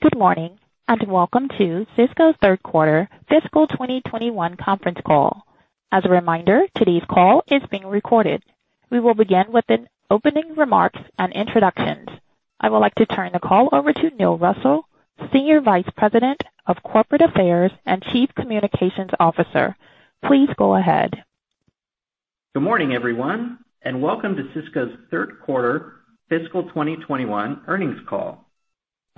Good morning, welcome to Sysco's third quarter fiscal 2021 conference call. As a reminder, today's call is being recorded. We will begin with an opening remarks and introductions. I would like to turn the call over to Neil Russell, Senior Vice President of Corporate Affairs and Chief Communications Officer. Please go ahead. Good morning, everyone, welcome to Sysco's third quarter fiscal 2021 earnings call.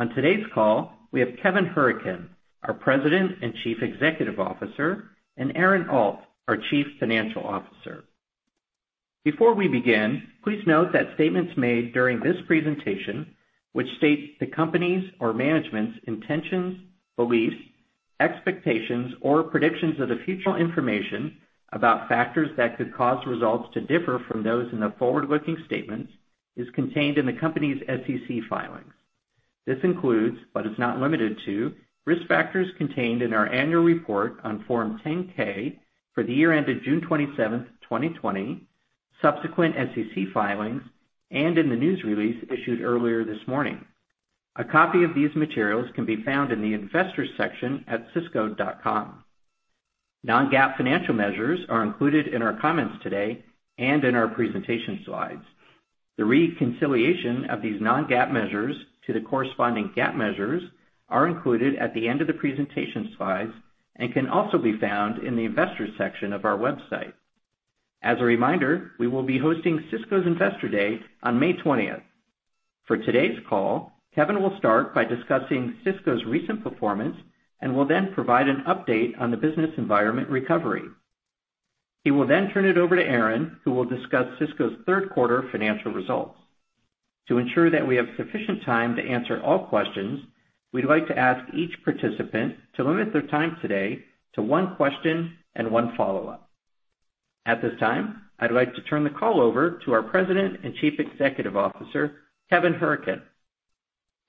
On today's call, we have Kevin Hourican, our President and Chief Executive Officer, and Aaron Alt, our Chief Financial Officer. Before we begin, please note that statements made during this presentation, which state the company's or management's intentions, beliefs, expectations, or predictions of the future information about factors that could cause results to differ from those in the forward-looking statements is contained in the company's SEC filings. This includes, but is not limited to, risk factors contained in our annual report on Form 10-K for the year ended June 27th, 2020, subsequent SEC filings, and in the news release issued earlier this morning. A copy of these materials can be found in the Investors section at sysco.com. Non-GAAP financial measures are included in our comments today and in our presentation slides. The reconciliation of these non-GAAP measures to the corresponding GAAP measures are included at the end of the presentation slides and can also be found in the Investors section of our website. As a reminder, we will be hosting Sysco's Investor Day on May 20th. For today's call, Kevin will start by discussing Sysco's recent performance and will then provide an update on the business environment recovery. He will then turn it over to Aaron, who will discuss Sysco's third quarter financial results. To ensure that we have sufficient time to answer all questions, we'd like to ask each participant to limit their time today to one question and one follow-up. At this time, I'd like to turn the call over to our President and Chief Executive Officer, Kevin Hourican.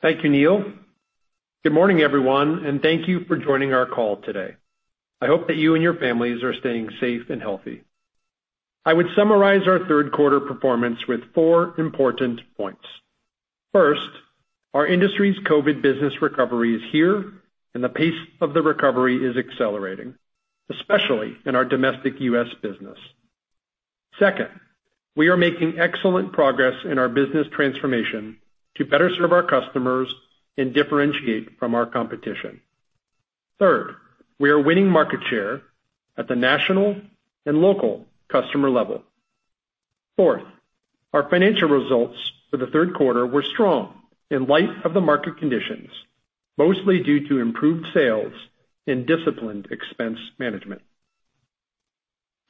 Thank you, Neil. Good morning, everyone, thank you for joining our call today. I hope that you and your families are staying safe and healthy. I would summarize our third quarter performance with four important points. First, our industry's COVID business recovery is here, and the pace of the recovery is accelerating, especially in our domestic U.S. business. Second, we are making excellent progress in our business transformation to better serve our customers and differentiate from our competition. Third, we are winning market share at the national and local customer level. Fourth, our financial results for the third quarter were strong in light of the market conditions, mostly due to improved sales and disciplined expense management.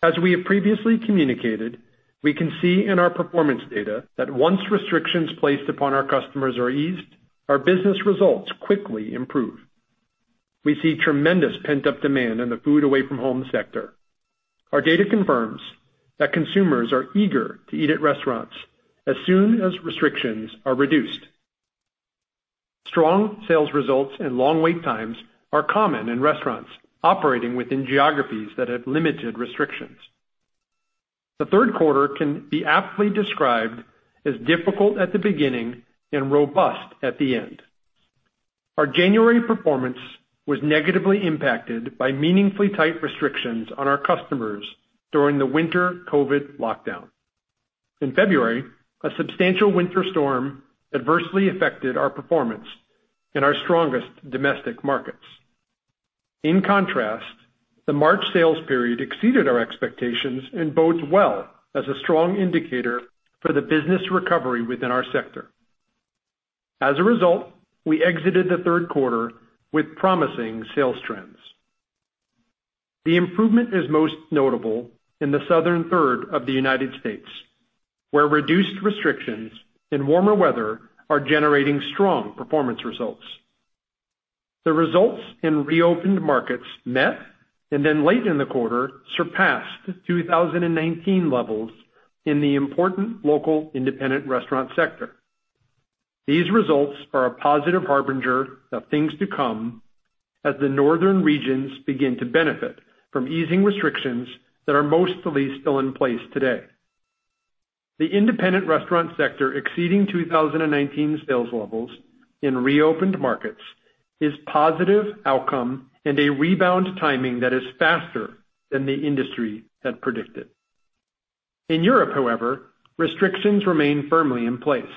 As we have previously communicated, we can see in our performance data that once restrictions placed upon our customers are eased, our business results quickly improve. We see tremendous pent-up demand in the food away from home sector. Our data confirms that consumers are eager to eat at restaurants as soon as restrictions are reduced. Strong sales results and long wait times are common in restaurants operating within geographies that have limited restrictions. The third quarter can be aptly described as difficult at the beginning and robust at the end. Our January performance was negatively impacted by meaningfully tight restrictions on our customers during the winter COVID lockdown. In February, a substantial winter storm adversely affected our performance in our strongest domestic markets. In contrast, the March sales period exceeded our expectations and bodes well as a strong indicator for the business recovery within our sector. As a result, we exited the third quarter with promising sales trends. The improvement is most notable in the southern third of the U.S., where reduced restrictions and warmer weather are generating strong performance results. The results in reopened markets met and then late in the quarter surpassed 2019 levels in the important local independent restaurant sector. These results are a positive harbinger of things to come as the northern regions begin to benefit from easing restrictions that are mostly still in place today. The independent restaurant sector exceeding 2019 sales levels in reopened markets is positive outcome and a rebound timing that is faster than the industry had predicted. In Europe, however, restrictions remain firmly in place.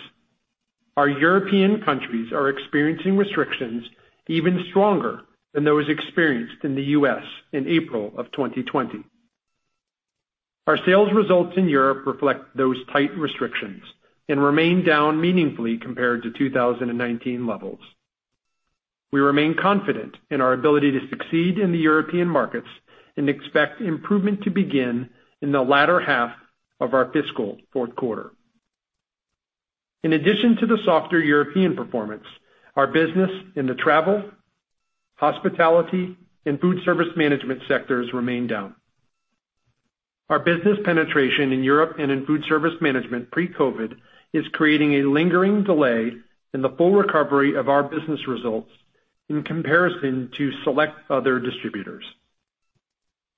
Our European countries are experiencing restrictions even stronger than those experienced in the U.S. in April of 2020. Our sales results in Europe reflect those tight restrictions and remain down meaningfully compared to 2019 levels. We remain confident in our ability to succeed in the European markets and expect improvement to begin in the latter half of our fiscal fourth quarter. In addition to the softer European performance, our business in the travel, hospitality, and foodservice management sectors remain down. Our business penetration in Europe and in foodservice management pre-COVID is creating a lingering delay in the full recovery of our business results in comparison to select other distributors.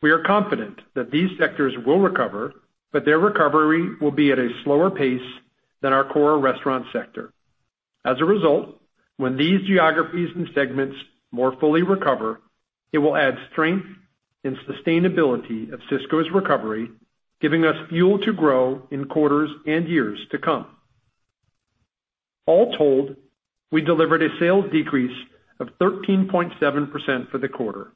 We are confident that these sectors will recover, but their recovery will be at a slower pace than our core restaurant sector. As a result, when these geographies and segments more fully recover, it will add strength and sustainability of Sysco's recovery, giving us fuel to grow in quarters and years to come. All told, we delivered a sales decrease of 13.7% for the quarter.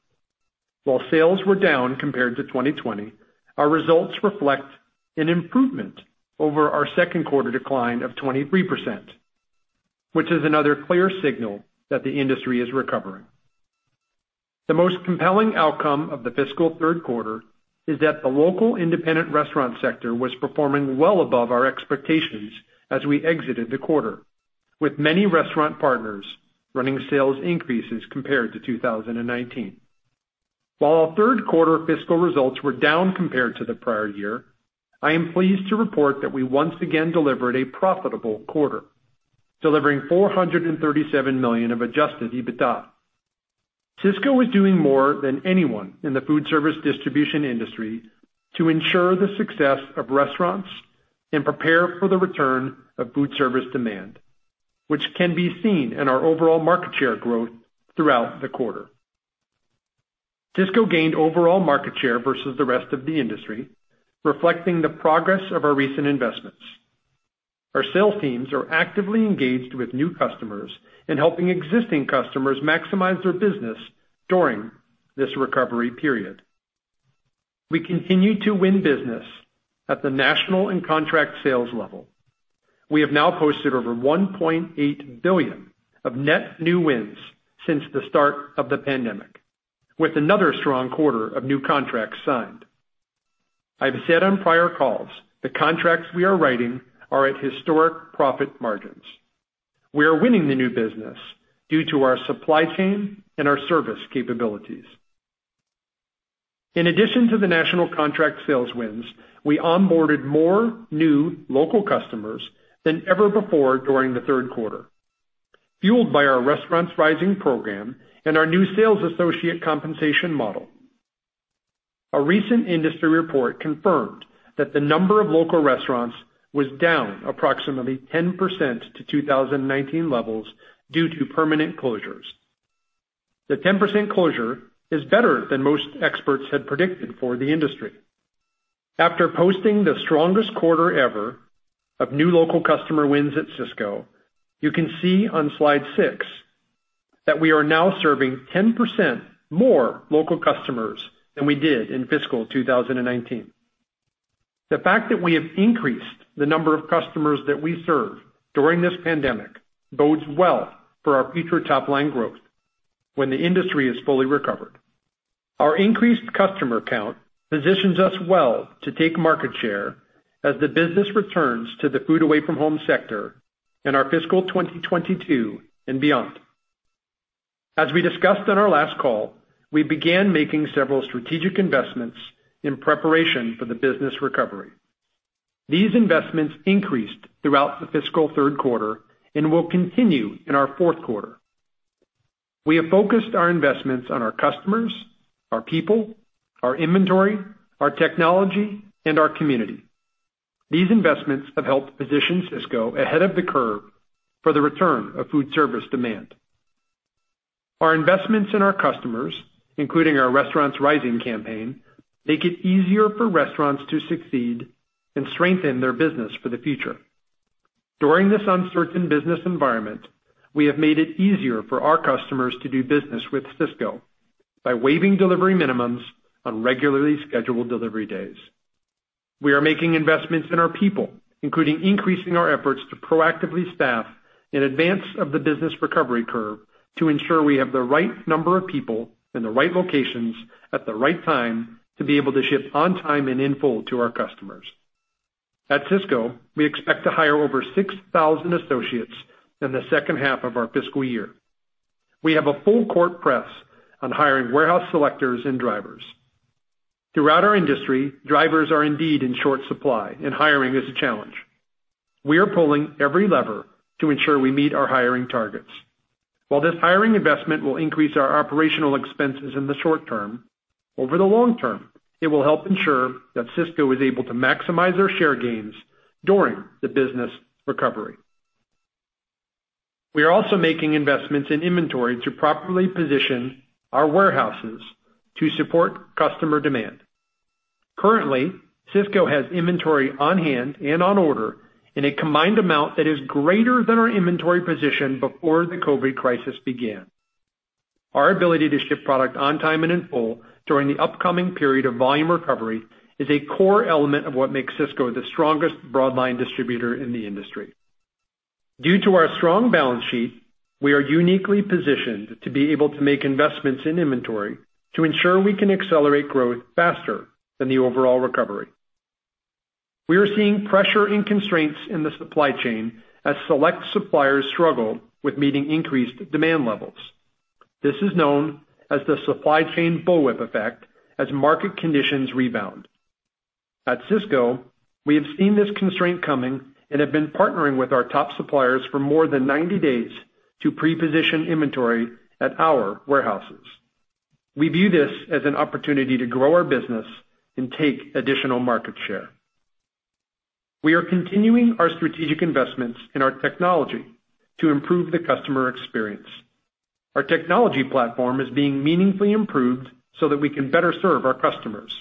While sales were down compared to 2020, our results reflect an improvement over our second quarter decline of 23%, which is another clear signal that the industry is recovering. The most compelling outcome of the fiscal third quarter is that the local independent restaurant sector was performing well above our expectations as we exited the quarter, with many restaurant partners running sales increases compared to 2019. While our third quarter fiscal results were down compared to the prior year, I am pleased to report that we once again delivered a profitable quarter, delivering $437 million of adjusted EBITDA. Sysco is doing more than anyone in the foodservice distribution industry to ensure the success of restaurants and prepare for the return of foodservice demand, which can be seen in our overall market share growth throughout the quarter. Sysco gained overall market share versus the rest of the industry, reflecting the progress of our recent investments. Our sales teams are actively engaged with new customers in helping existing customers maximize their business during this recovery period. We continue to win business at the national and contract sales level. We have now posted over $1.8 billion of net new wins since the start of the pandemic, with another strong quarter of new contracts signed. I've said on prior calls, the contracts we are writing are at historic profit margins. We are winning the new business due to our supply chain and our service capabilities. In addition to the national contract sales wins, we onboarded more new local customers than ever before during the third quarter, fueled by our Restaurants Rising program and our new sales associate compensation model. A recent industry report confirmed that the number of local restaurants was down approximately 10% to 2019 levels due to permanent closures. The 10% closure is better than most experts had predicted for the industry. After posting the strongest quarter ever of new local customer wins at Sysco, you can see on slide six that we are now serving 10% more local customers than we did in fiscal 2019. The fact that we have increased the number of customers that we serve during this pandemic bodes well for our future top-line growth when the industry is fully recovered. Our increased customer count positions us well to take market share as the business returns to the food away from home sector in our fiscal 2022 and beyond. As we discussed on our last call, we began making several strategic investments in preparation for the business recovery. These investments increased throughout the fiscal third quarter and will continue in our fourth quarter. We have focused our investments on our customers, our people, our inventory, our technology, and our community. These investments have helped position Sysco ahead of the curve for the return of food service demand. Our investments in our customers, including our Restaurants Rising campaign, make it easier for restaurants to succeed and strengthen their business for the future. During this uncertain business environment, we have made it easier for our customers to do business with Sysco by waiving delivery minimums on regularly scheduled delivery days. We are making investments in our people, including increasing our efforts to proactively staff in advance of the business recovery curve to ensure we have the right number of people in the right locations at the right time to be able to ship on time and in full to our customers. At Sysco, we expect to hire over 6,000 associates in the second half of our fiscal year. We have a full court press on hiring warehouse selectors and drivers. Throughout our industry, drivers are indeed in short supply and hiring is a challenge. We are pulling every lever to ensure we meet our hiring targets. While this hiring investment will increase our operational expenses in the short term, over the long term, it will help ensure that Sysco is able to maximize their share gains during the business recovery. We are also making investments in inventory to properly position our warehouses to support customer demand. Currently, Sysco has inventory on hand and on order in a combined amount that is greater than our inventory position before the COVID crisis began. Our ability to ship product on time and in full during the upcoming period of volume recovery is a core element of what makes Sysco the strongest broadline distributor in the industry. Due to our strong balance sheet, we are uniquely positioned to be able to make investments in inventory to ensure we can accelerate growth faster than the overall recovery. We are seeing pressure and constraints in the supply chain as select suppliers struggle with meeting increased demand levels. This is known as the supply chain bullwhip effect, as market conditions rebound. At Sysco, we have seen this constraint coming and have been partnering with our top suppliers for more than 90 days to pre-position inventory at our warehouses. We view this as an opportunity to grow our business and take additional market share. We are continuing our strategic investments in our technology to improve the customer experience. Our technology platform is being meaningfully improved so that we can better serve our customers.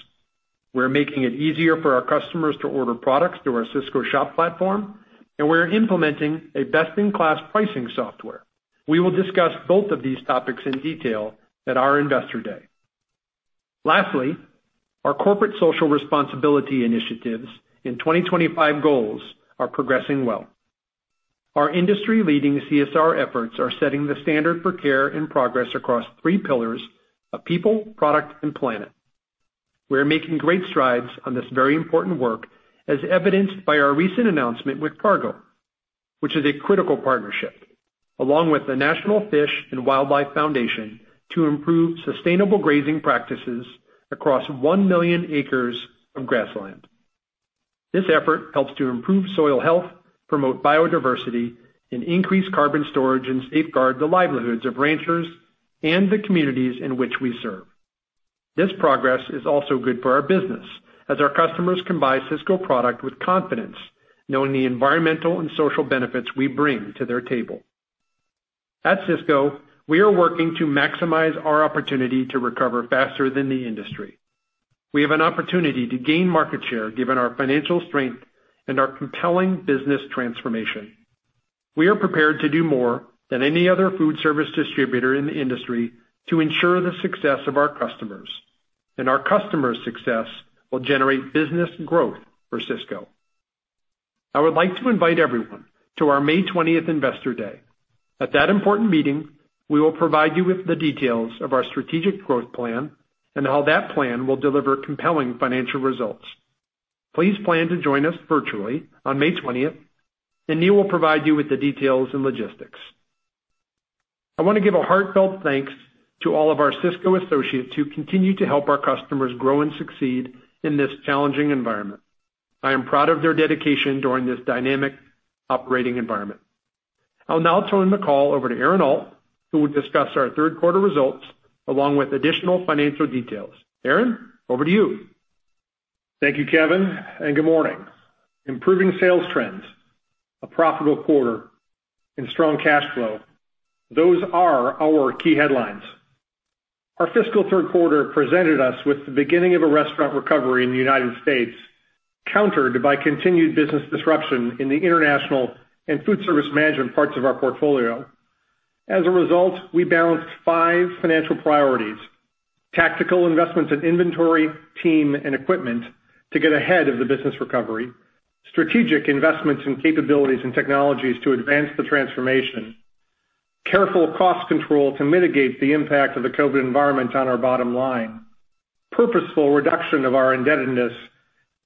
We're making it easier for our customers to order products through our Sysco Shop platform, we're implementing a best-in-class pricing software. We will discuss both of these topics in detail at our Investor Day. Lastly, our corporate social responsibility initiatives and 2025 goals are progressing well. Our industry leading CSR efforts are setting the standard for care and progress across three pillars of people, product, and planet. We're making great strides on this very important work, as evidenced by our recent announcement with Cargill, which is a critical partnership, along with the National Fish and Wildlife Foundation, to improve sustainable grazing practices across 1 million acres of grassland. This effort helps to improve soil health, promote biodiversity, safeguard the livelihoods of ranchers and the communities in which we serve. This progress is also good for our business, as our customers can buy Sysco product with confidence, knowing the environmental and social benefits we bring to their table. At Sysco, we are working to maximize our opportunity to recover faster than the industry. We have an opportunity to gain market share given our financial strength and our compelling business transformation. We are prepared to do more than any other food service distributor in the industry to ensure the success of our customers. Our customers' success will generate business growth for Sysco. I would like to invite everyone to our May 20th Investor Day. At that important meeting, we will provide you with the details of our strategic growth plan and how that plan will deliver compelling financial results. Please plan to join us virtually on May 20th, Neil will provide you with the details and logistics. I want to give a heartfelt thanks to all of our Sysco associates who continue to help our customers grow and succeed in this challenging environment. I am proud of their dedication during this dynamic operating environment. I'll now turn the call over to Aaron Alt, who will discuss our third quarter results, along with additional financial details. Aaron, over to you. Thank you, Kevin, and good morning. Improving sales trends, a profitable quarter, and strong cash flow. Those are our key headlines. Our fiscal third quarter presented us with the beginning of a restaurant recovery in the United States, countered by continued business disruption in the international and food service management parts of our portfolio. As a result, we balanced five financial priorities, tactical investments in inventory, team, and equipment to get ahead of the business recovery, strategic investments in capabilities and technologies to advance the transformation, careful cost control to mitigate the impact of the COVID environment on our bottom line, purposeful reduction of our indebtedness,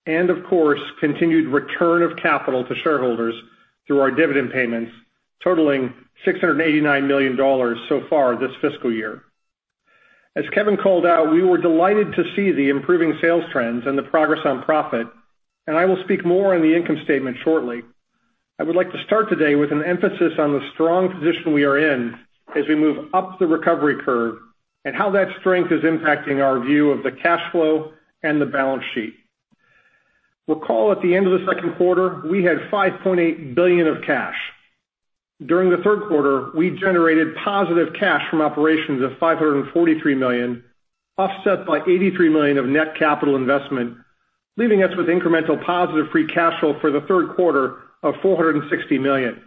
and of course, continued return of capital to shareholders through our dividend payments, totaling $689 million so far this fiscal year. As Kevin called out, we were delighted to see the improving sales trends and the progress on profit, and I will speak more on the income statement shortly. I would like to start today with an emphasis on the strong position we are in as we move up the recovery curve and how that strength is impacting our view of the cash flow and the balance sheet. Recall at the end of the second quarter, we had $5.8 billion of cash. During the third quarter, we generated positive cash from operations of $543 million, offset by $83 million of net capital investment, leaving us with incremental positive free cash flow for the third quarter of $460 million.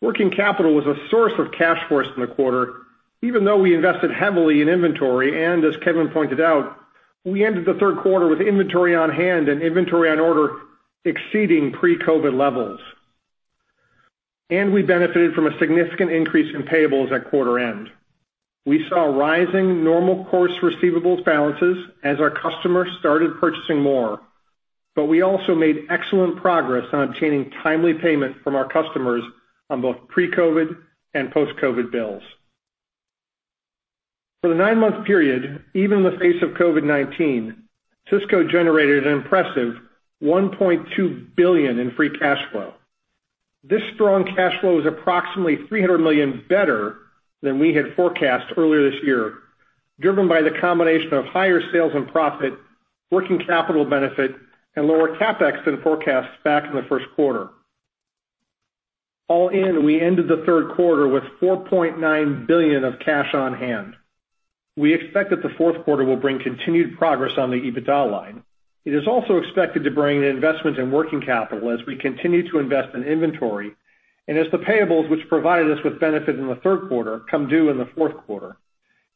Working capital was a source of cash for us in the quarter, even though we invested heavily in inventory, and as Kevin pointed out, we ended the third quarter with inventory on hand and inventory on order exceeding pre-COVID levels. We benefited from a significant increase in payables at quarter end. We saw rising normal course receivables balances as our customers started purchasing more. We also made excellent progress on obtaining timely payment from our customers on both pre-COVID and post-COVID bills. For the nine-month period, even in the face of COVID-19, Sysco generated an impressive $1.2 billion in free cash flow. This strong cash flow is approximately $300 million better than we had forecast earlier this year, driven by the combination of higher sales and profit, working capital benefit, and lower CapEx than forecasts back in the first quarter. All in, we ended the third quarter with $4.9 billion of cash on hand. We expect that the fourth quarter will bring continued progress on the EBITDA line. It is also expected to bring an investment in working capital as we continue to invest in inventory, and as the payables which provided us with benefit in the third quarter come due in the fourth quarter.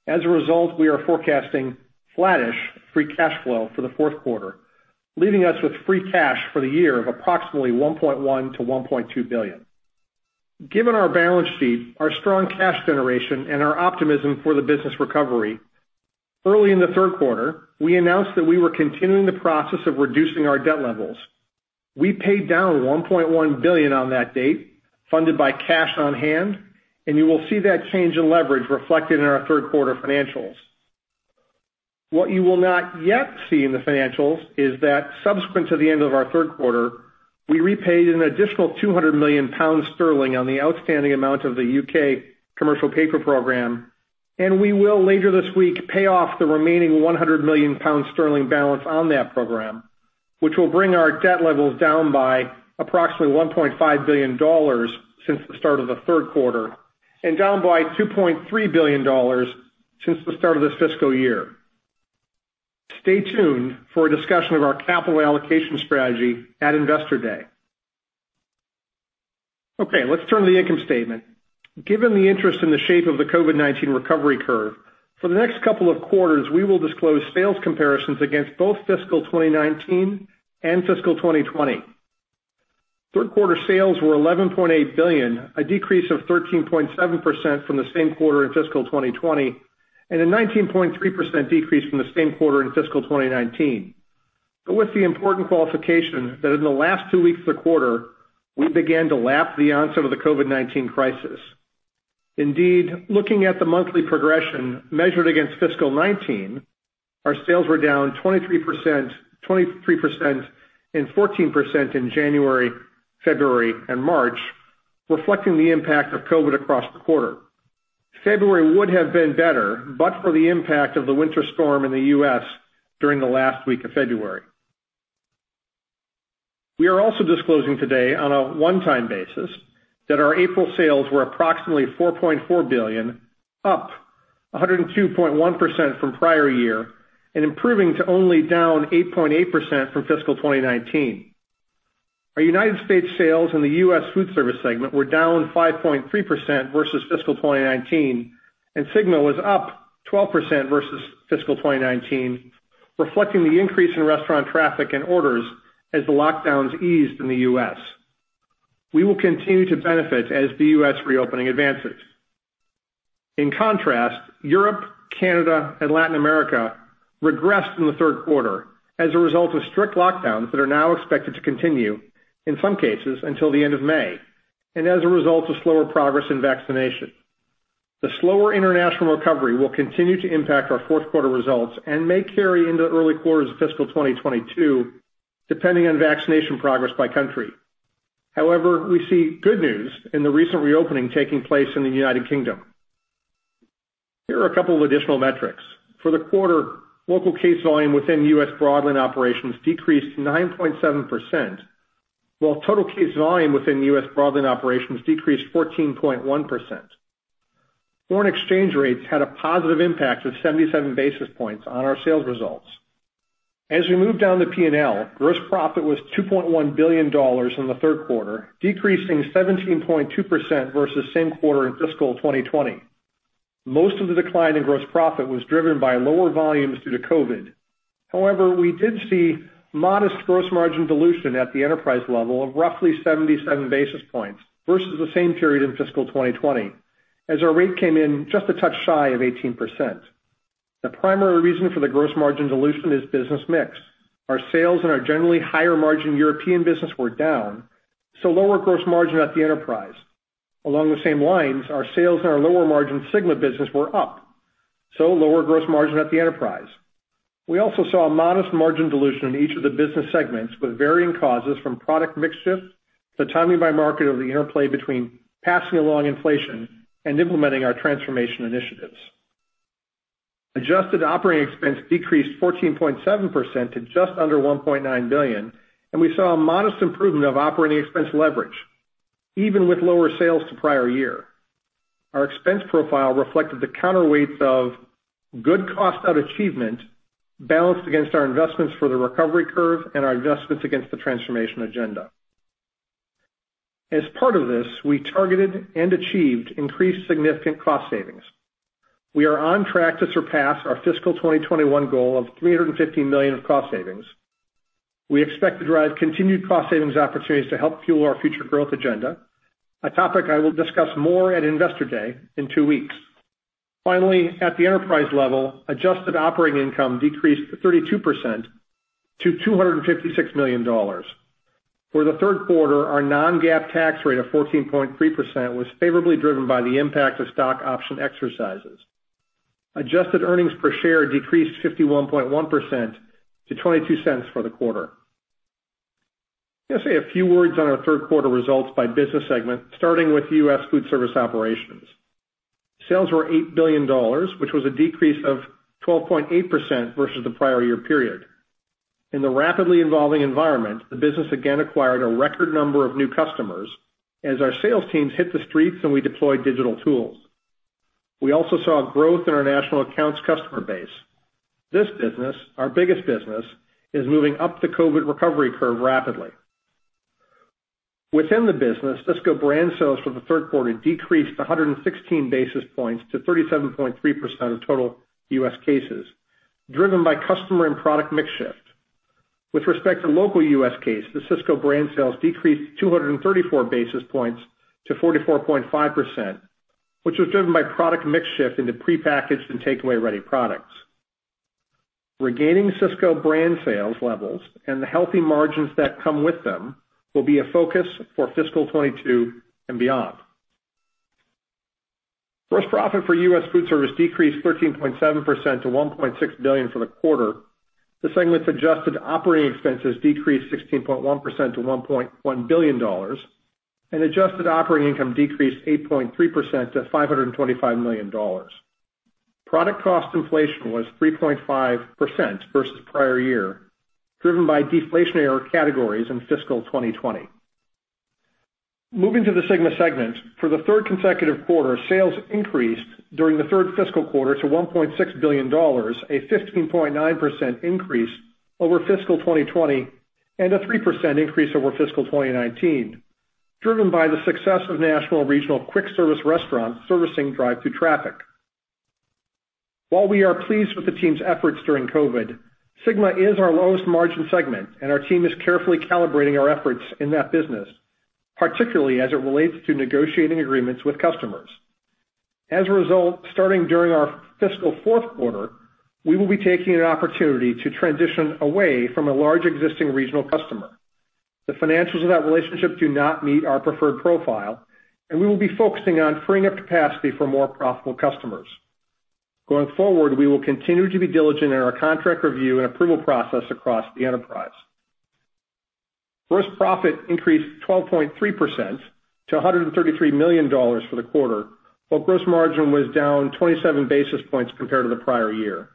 As a result, we are forecasting flattish free cash flow for the fourth quarter, leaving us with free cash for the year of approximately $1.1 billion-$1.2 billion. Given our balance sheet, our strong cash generation, and our optimism for the business recovery, early in the third quarter, we announced that we were continuing the process of reducing our debt levels. We paid down $1.1 billion on that date, funded by cash on hand, and you will see that change in leverage reflected in our third quarter financials. What you will not yet see in the financials is that subsequent to the end of our third quarter, we repaid an additional 200 million pounds on the outstanding amount of the U.K. commercial paper program, and we will, later this week, pay off the remaining 100 million pounds balance on that program, which will bring our debt levels down by approximately $1.5 billion since the start of the third quarter, and down by $2.3 billion since the start of this fiscal year. Stay tuned for a discussion of our capital allocation strategy at Investor Day. Let's turn to the income statement. Given the interest in the shape of the COVID-19 recovery curve, for the next couple of quarters, we will disclose sales comparisons against both fiscal 2019 and fiscal 2020. Third quarter sales were $11.8 billion, a decrease of 13.7% from the same quarter in fiscal 2020, and a 19.3% decrease from the same quarter in fiscal 2019. With the important qualification that in the last two weeks of the quarter, we began to lap the onset of the COVID-19 crisis. Indeed, looking at the monthly progression measured against fiscal 2019, our sales were down 23%, and 14% in January, February, and March, reflecting the impact of COVID across the quarter. February would have been better, but for the impact of the winter storm in the U.S. during the last week of February. We are also disclosing today, on a one-time basis, that our April sales were approximately $4.4 billion, up 102.1% from prior year, and improving to only down 8.8% from fiscal 2019. Our U.S. sales in the U.S. Foodservice segment were down 5.3% versus fiscal 2019, and Sygma was up 12% versus fiscal 2019, reflecting the increase in restaurant traffic and orders as the lockdowns eased in the U.S. We will continue to benefit as the U.S. reopening advances. In contrast, Europe, Canada, and Latin America regressed in the third quarter as a result of strict lockdowns that are now expected to continue, in some cases, until the end of May, and as a result of slower progress in vaccination. The slower international recovery will continue to impact our fourth quarter results and may carry into early quarters of fiscal 2022, depending on vaccination progress by country. We see good news in the recent reopening taking place in the United Kingdom. Here are a couple of additional metrics. For the quarter, local case volume within U.S. broadline operations decreased 9.7%, while total case volume within U.S. broadline operations decreased 14.1%. Foreign exchange rates had a positive impact of 77 basis points on our sales results. As we move down the P&L, gross profit was $2.1 billion in the third quarter, decreasing 17.2% versus same quarter in fiscal 2020. Most of the decline in gross profit was driven by lower volumes due to COVID. However, we did see modest gross margin dilution at the enterprise level of roughly 77 basis points versus the same period in FY 2020, as our rate came in just a touch shy of 18%. The primary reason for the gross margin dilution is business mix. Our sales in our generally higher margin European business were down, so lower gross margin at the enterprise. Along the same lines, our sales in our lower margin Sygma business were up, so lower gross margin at the enterprise. We also saw a modest margin dilution in each of the business segments with varying causes from product mix shift to timing by market of the interplay between passing along inflation and implementing our transformation initiatives. Adjusted operating expense decreased 14.7% to just under $1.9 billion, and we saw a modest improvement of operating expense leverage even with lower sales to prior year. Our expense profile reflected the counterweights of good cost out achievement balanced against our investments for the recovery curve and our investments against the transformation agenda. As part of this, we targeted and achieved increased significant cost savings. We are on track to surpass our FY 2021 goal of $350 million of cost savings. We expect to drive continued cost savings opportunities to help fuel our future growth agenda, a topic I will discuss more at Investor Day in two weeks. Finally, at the enterprise level, adjusted operating income decreased 32% to $256 million. For the third quarter, our non-GAAP tax rate of 14.3% was favorably driven by the impact of stock option exercises. Adjusted earnings per share decreased 51.1% to $0.22 for the quarter. I'm going to say a few words on our third quarter results by business segment, starting with U.S. Foodservice operations. Sales were $8 billion, which was a decrease of 12.8% versus the prior year period. In the rapidly evolving environment, the business again acquired a record number of new customers as our sales teams hit the streets and we deployed digital tools. We also saw growth in our national accounts customer base. This business, our biggest business, is moving up the COVID recovery curve rapidly. Within the business, Sysco brand sales for the third quarter decreased 116 basis points to 37.3% of total U.S. cases, driven by customer and product mix shift. With respect to local U.S. cases, the Sysco brand sales decreased 234 basis points to 44.5%, which was driven by product mix shift into prepackaged and takeaway-ready products. Regaining Sysco brand sales levels and the healthy margins that come with them will be a focus for FY 2022 and beyond. Gross profit for U.S. Foodservice decreased 13.7% to $1.6 billion for the quarter. The segment's adjusted operating expenses decreased 16.1% to $1.1 billion, and adjusted operating income decreased 8.3% to $525 million. Product cost inflation was 3.5% versus prior year, driven by deflationary categories in FY 2020. Moving to the Sygma segment, for the third consecutive quarter, sales increased during the third fiscal quarter to $1.6 billion, a 15.9% increase over FY 2020, and a 3% increase over FY 2019, driven by the success of national regional QSRs servicing drive-through traffic. While we are pleased with the team's efforts during COVID, Sygma is our lowest margin segment, and our team is carefully calibrating our efforts in that business, particularly as it relates to negotiating agreements with customers. Starting during our fiscal fourth quarter, we will be taking an opportunity to transition away from a large existing regional customer. The financials of that relationship do not meet our preferred profile, and we will be focusing on freeing up capacity for more profitable customers. Going forward, we will continue to be diligent in our contract review and approval process across the enterprise. Gross profit increased 12.3% to $133 million for the quarter, while gross margin was down 27 basis points compared to the prior year.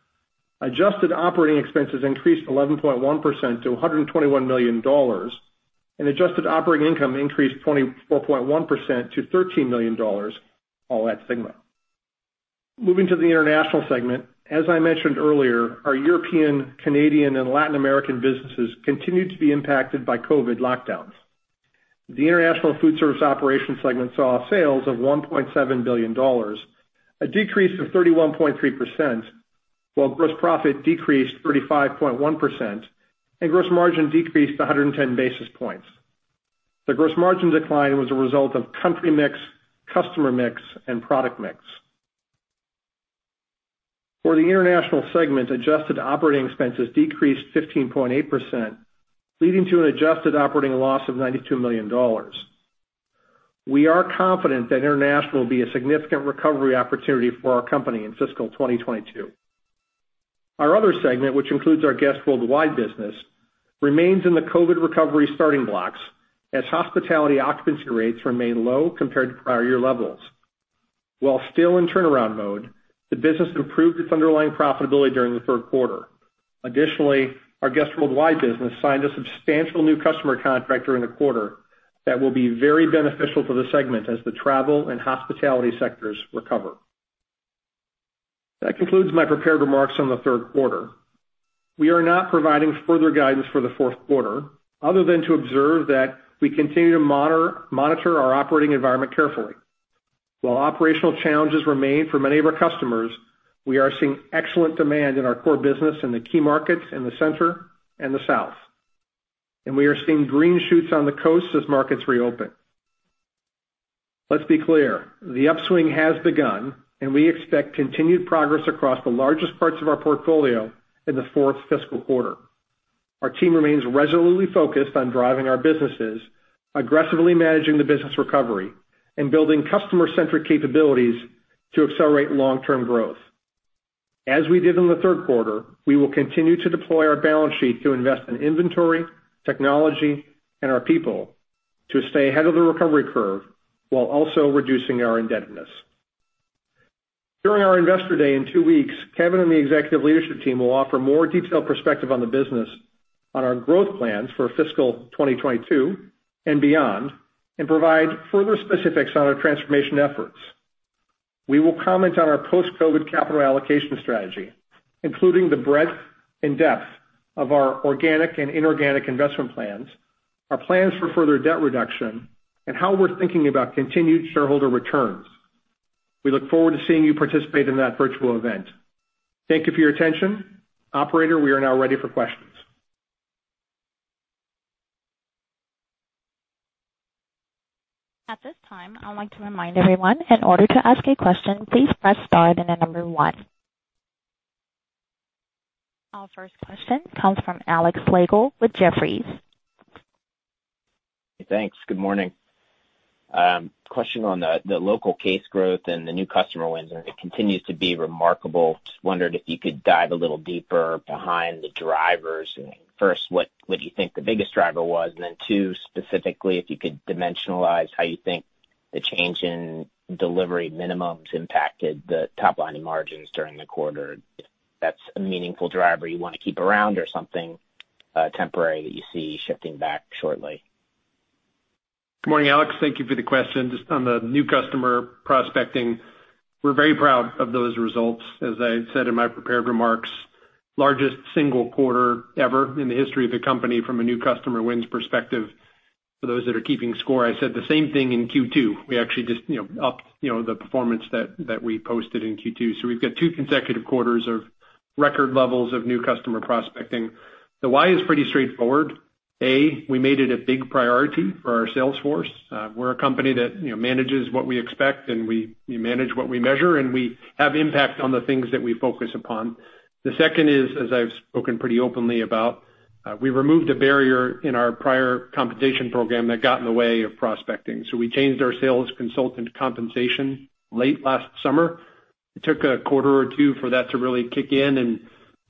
Adjusted operating expenses increased 11.1% to $121 million, and adjusted operating income increased 24.1% to $13 million, all at Sygma. Moving to the international segment. As I mentioned earlier, our European, Canadian, and Latin American businesses continued to be impacted by COVID lockdowns. The International Foodservice Operations segment saw sales of $1.7 billion, a decrease of 31.3%, while gross profit decreased 35.1%, and gross margin decreased 110 basis points. The gross margin decline was a result of country mix, customer mix, and product mix. For the international segment, adjusted operating expenses decreased 15.8%, leading to an adjusted operating loss of $92 million. We are confident that international will be a significant recovery opportunity for our company in fiscal 2022. Our other segment, which includes our Guest Worldwide business, remains in the COVID recovery starting blocks, as hospitality occupancy rates remain low compared to prior year levels. While still in turnaround mode, the business improved its underlying profitability during the third quarter. Additionally, our Guest Worldwide business signed a substantial new customer contract during the quarter that will be very beneficial to the segment as the travel and hospitality sectors recover. That concludes my prepared remarks on the third quarter. We are not providing further guidance for the fourth quarter, other than to observe that we continue to monitor our operating environment carefully. While operational challenges remain for many of our customers, we are seeing excellent demand in our core business in the key markets in the Center and the South, and we are seeing green shoots on the coast as markets reopen. Let's be clear, the upswing has begun, and we expect continued progress across the largest parts of our portfolio in the fourth fiscal quarter. Our team remains resolutely focused on driving our businesses, aggressively managing the business recovery, and building customer-centric capabilities to accelerate long-term growth. We did in the third quarter, we will continue to deploy our balance sheet to invest in inventory, technology, and our people to stay ahead of the recovery curve while also reducing our indebtedness. During our investor day in two weeks, Kevin and the executive leadership team will offer more detailed perspective on the business on our growth plans for fiscal 2022 and beyond, and provide further specifics on our transformation efforts. We will comment on our post-COVID capital allocation strategy, including the breadth and depth of our organic and inorganic investment plans, our plans for further debt reduction, and how we're thinking about continued shareholder returns. We look forward to seeing you participate in that virtual event. Thank you for your attention. Operator, we are now ready for questions. At this time, I'd like to remind everyone, in order to ask a question, please press star then the number one. Our first question comes from Alex Slagle with Jefferies. Thanks. Good morning. Question on the local case growth and the new customer wins. It continues to be remarkable. Just wondered if you could dive a little deeper behind the drivers. First, what do you think the biggest driver was? Then two, specifically, if you could dimensionalize how you think the change in delivery minimums impacted the top line and margins during the quarter. If that's a meaningful driver you want to keep around or something temporary that you see shifting back shortly. Good morning, Alex. Thank you for the question. Just on the new customer prospecting, we're very proud of those results. As I said in my prepared remarks, largest single quarter ever in the history of the company from a new customer wins perspective. For those that are keeping score, I said the same thing in Q2. We actually just upped the performance that we posted in Q2. We've got two consecutive quarters of record levels of new customer prospecting. The why is pretty straightforward. A, we made it a big priority for our sales force. We're a company that manages what we expect, we manage what we measure, and we have impact on the things that we focus upon. The second is, as I've spoken pretty openly about, we removed a barrier in our prior compensation program that got in the way of prospecting. We changed our sales consultant compensation late last summer. It took a quarter or two for that to really kick in and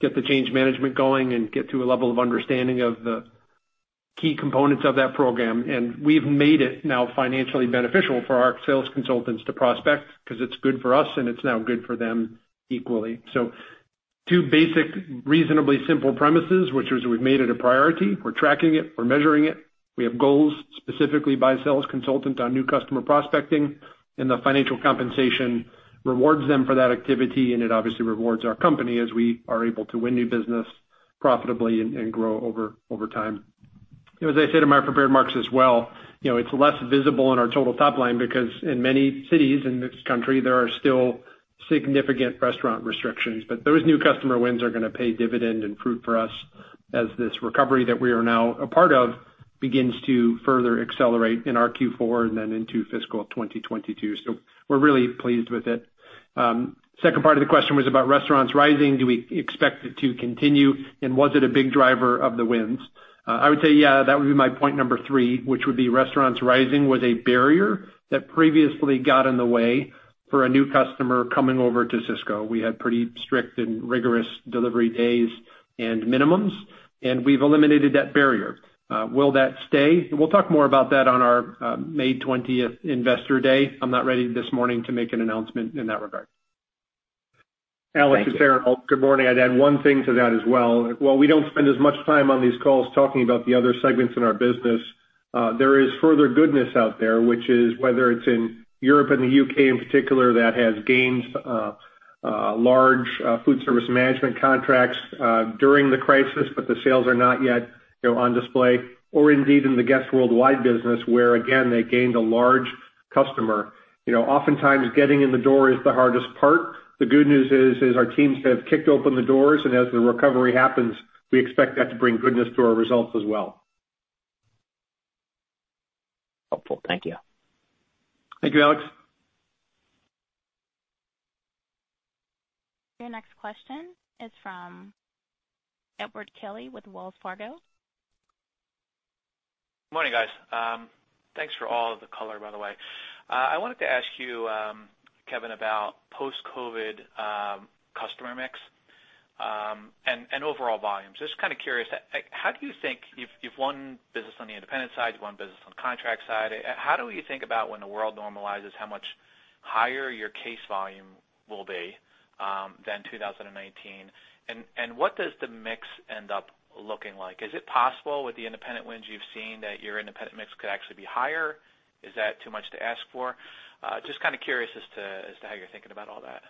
get the change management going and get to a level of understanding of the key components of that program. We've made it now financially beneficial for our sales consultants to prospect because it's good for us and it's now good for them equally. Two basic, reasonably simple premises, which is we've made it a priority. We're tracking it. We're measuring it. We have goals specifically by sales consultant on new customer prospecting, the financial compensation rewards them for that activity, it obviously rewards our company as we are able to win new business profitably and grow over time. As I said in my prepared remarks as well, it's less visible in our total top line because in many cities in this country, there are still significant restaurant restrictions. Those new customer wins are going to pay dividend and fruit for us as this recovery that we are now a part of begins to further accelerate in our Q4 and then into fiscal 2022. We're really pleased with it. Second part of the question was about Restaurants Rising. Do we expect it to continue, and was it a big driver of the wins? I would say, yeah, that would be my point number three, which would be Restaurants Rising was a barrier that previously got in the way for a new customer coming over to Sysco. We had pretty strict and rigorous delivery days and minimums, and we've eliminated that barrier. Will that stay? We'll talk more about that on our May 20th investor day. I'm not ready this morning to make an announcement in that regard. Alex, it's Aaron Alt. Good morning. I'd add one thing to that as well. While we don't spend as much time on these calls talking about the other segments in our business, there is further goodness out there, which is whether it's in Europe and the U.K. in particular, that has gained large foodservice management contracts during the crisis, the sales are not yet on display, or indeed in the Guest Worldwide business, where again, they gained a large customer. Oftentimes, getting in the door is the hardest part. The good news is our teams have kicked open the doors, as the recovery happens, we expect that to bring goodness to our results as well. Helpful. Thank you. Thank you, Alex. Your next question is from Edward Kelly with Wells Fargo. Morning, guys. Thanks for all of the color, by the way. I wanted to ask you, Kevin, about post-COVID customer mix and overall volumes. Just kind of curious, you've one business on the independent side, one business on the contract side. How do we think about when the world normalizes, how much higher your case volume will be than 2019? What does the mix end up looking like? Is it possible with the independent wins you've seen that your independent mix could actually be higher? Is that too much to ask for? Just kind of curious as to how you're thinking about all that.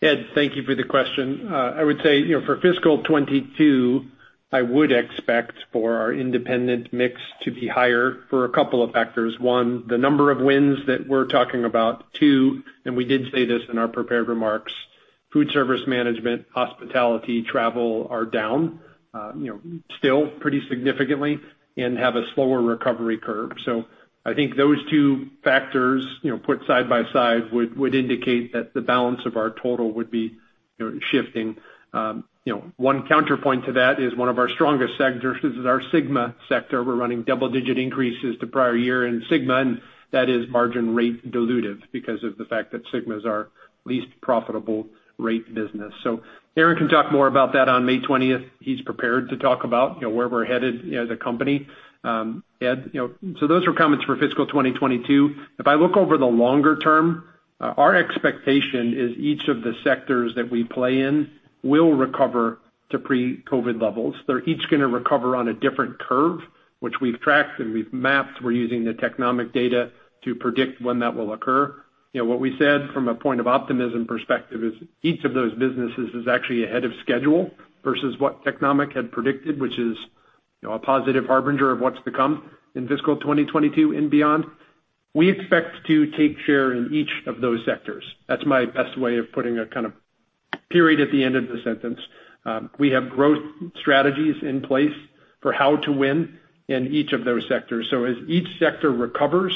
Ed, thank you for the question. I would say for FY 2022, I would expect for our independent mix to be higher for a couple of factors. One, the number of wins that we're talking about. Two, we did say this in our prepared remarks, foodservice management, hospitality, travel are down still pretty significantly and have a slower recovery curve. I think those two factors put side by side would indicate that the balance of our total would be shifting. One counterpoint to that is one of our strongest sectors is our Sygma sector. We're running double-digit increases to prior year in Sygma, and that is margin rate dilutive because of the fact that Sygma is our least profitable rate business. Aaron can talk more about that on May 20th. He's prepared to talk about where we're headed as a company, Ed. Those are comments for fiscal 2022. If I look over the longer term, our expectation is each of the sectors that we play in will recover to pre-COVID levels. They're each going to recover on a different curve, which we've tracked and we've mapped. We're using the Technomic data to predict when that will occur. What we said from a point of optimism perspective is each of those businesses is actually ahead of schedule versus what Technomic had predicted, which is a positive harbinger of what's to come in fiscal 2022 and beyond. We expect to take share in each of those sectors. That's my best way of putting a kind of period at the end of the sentence. We have growth strategies in place for how to win in each of those sectors. As each sector recovers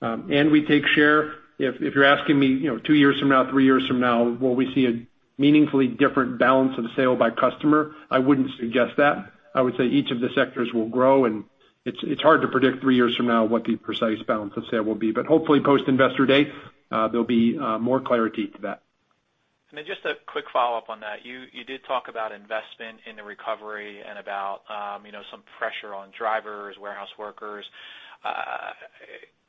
and we take share, if you're asking me two years from now, three years from now, will we see a meaningfully different balance of sale by customer? I wouldn't suggest that. I would say each of the sectors will grow, and it's hard to predict three years from now what the precise balance of sale will be. Hopefully post investor date, there'll be more clarity to that. Just a quick follow-up on that. You did talk about investment in the recovery and about some pressure on drivers, warehouse workers.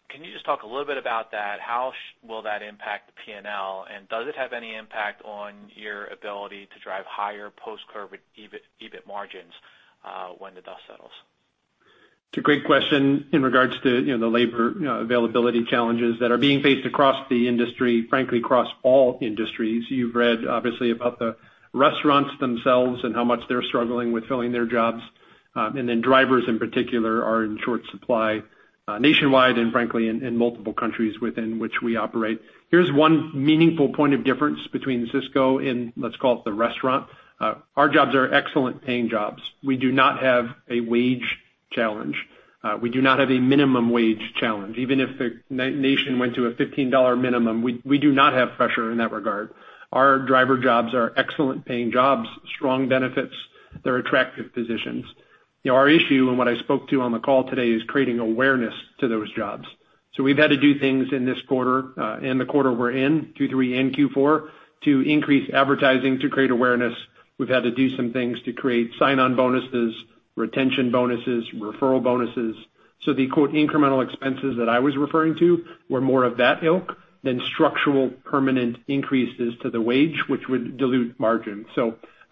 Can you just talk a little bit about that? How will that impact the P&L? Does it have any impact on your ability to drive higher post-COVID EBIT margins when the dust settles? It's a great question in regards to the labor availability challenges that are being faced across the industry, frankly, across all industries. You've read, obviously, about the restaurants themselves and how much they're struggling with filling their jobs. Drivers, in particular, are in short supply nationwide and frankly, in multiple countries within which we operate. Here's one meaningful point of difference between Sysco and let's call it the restaurant. Our jobs are excellent paying jobs. We do not have a wage challenge. We do not have a minimum wage challenge. Even if the nation went to a $15 minimum, we do not have pressure in that regard. Our driver jobs are excellent paying jobs, strong benefits, they're attractive positions. Our issue, and what I spoke to on the call today, is creating awareness to those jobs. We've had to do things in this quarter, and the quarter we're in, Q3 and Q4, to increase advertising to create awareness. We've had to do some things to create sign-on bonuses, retention bonuses, referral bonuses. The incremental expenses that I was referring to were more of that ilk than structural permanent increases to the wage, which would dilute margin.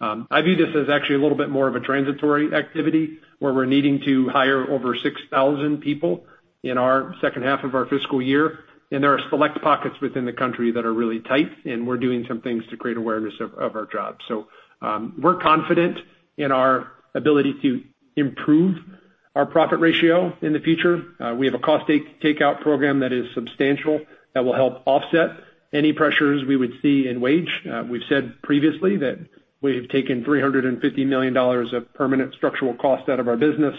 I view this as actually a little bit more of a transitory activity, where we're needing to hire over 6,000 people in our second half of our fiscal year, and there are select pockets within the country that are really tight, and we're doing some things to create awareness of our jobs. We're confident in our ability to improve our profit ratio in the future. We have a cost takeout program that is substantial, that will help offset any pressures we would see in wage. We've said previously that we've taken $350 million of permanent structural cost out of our business,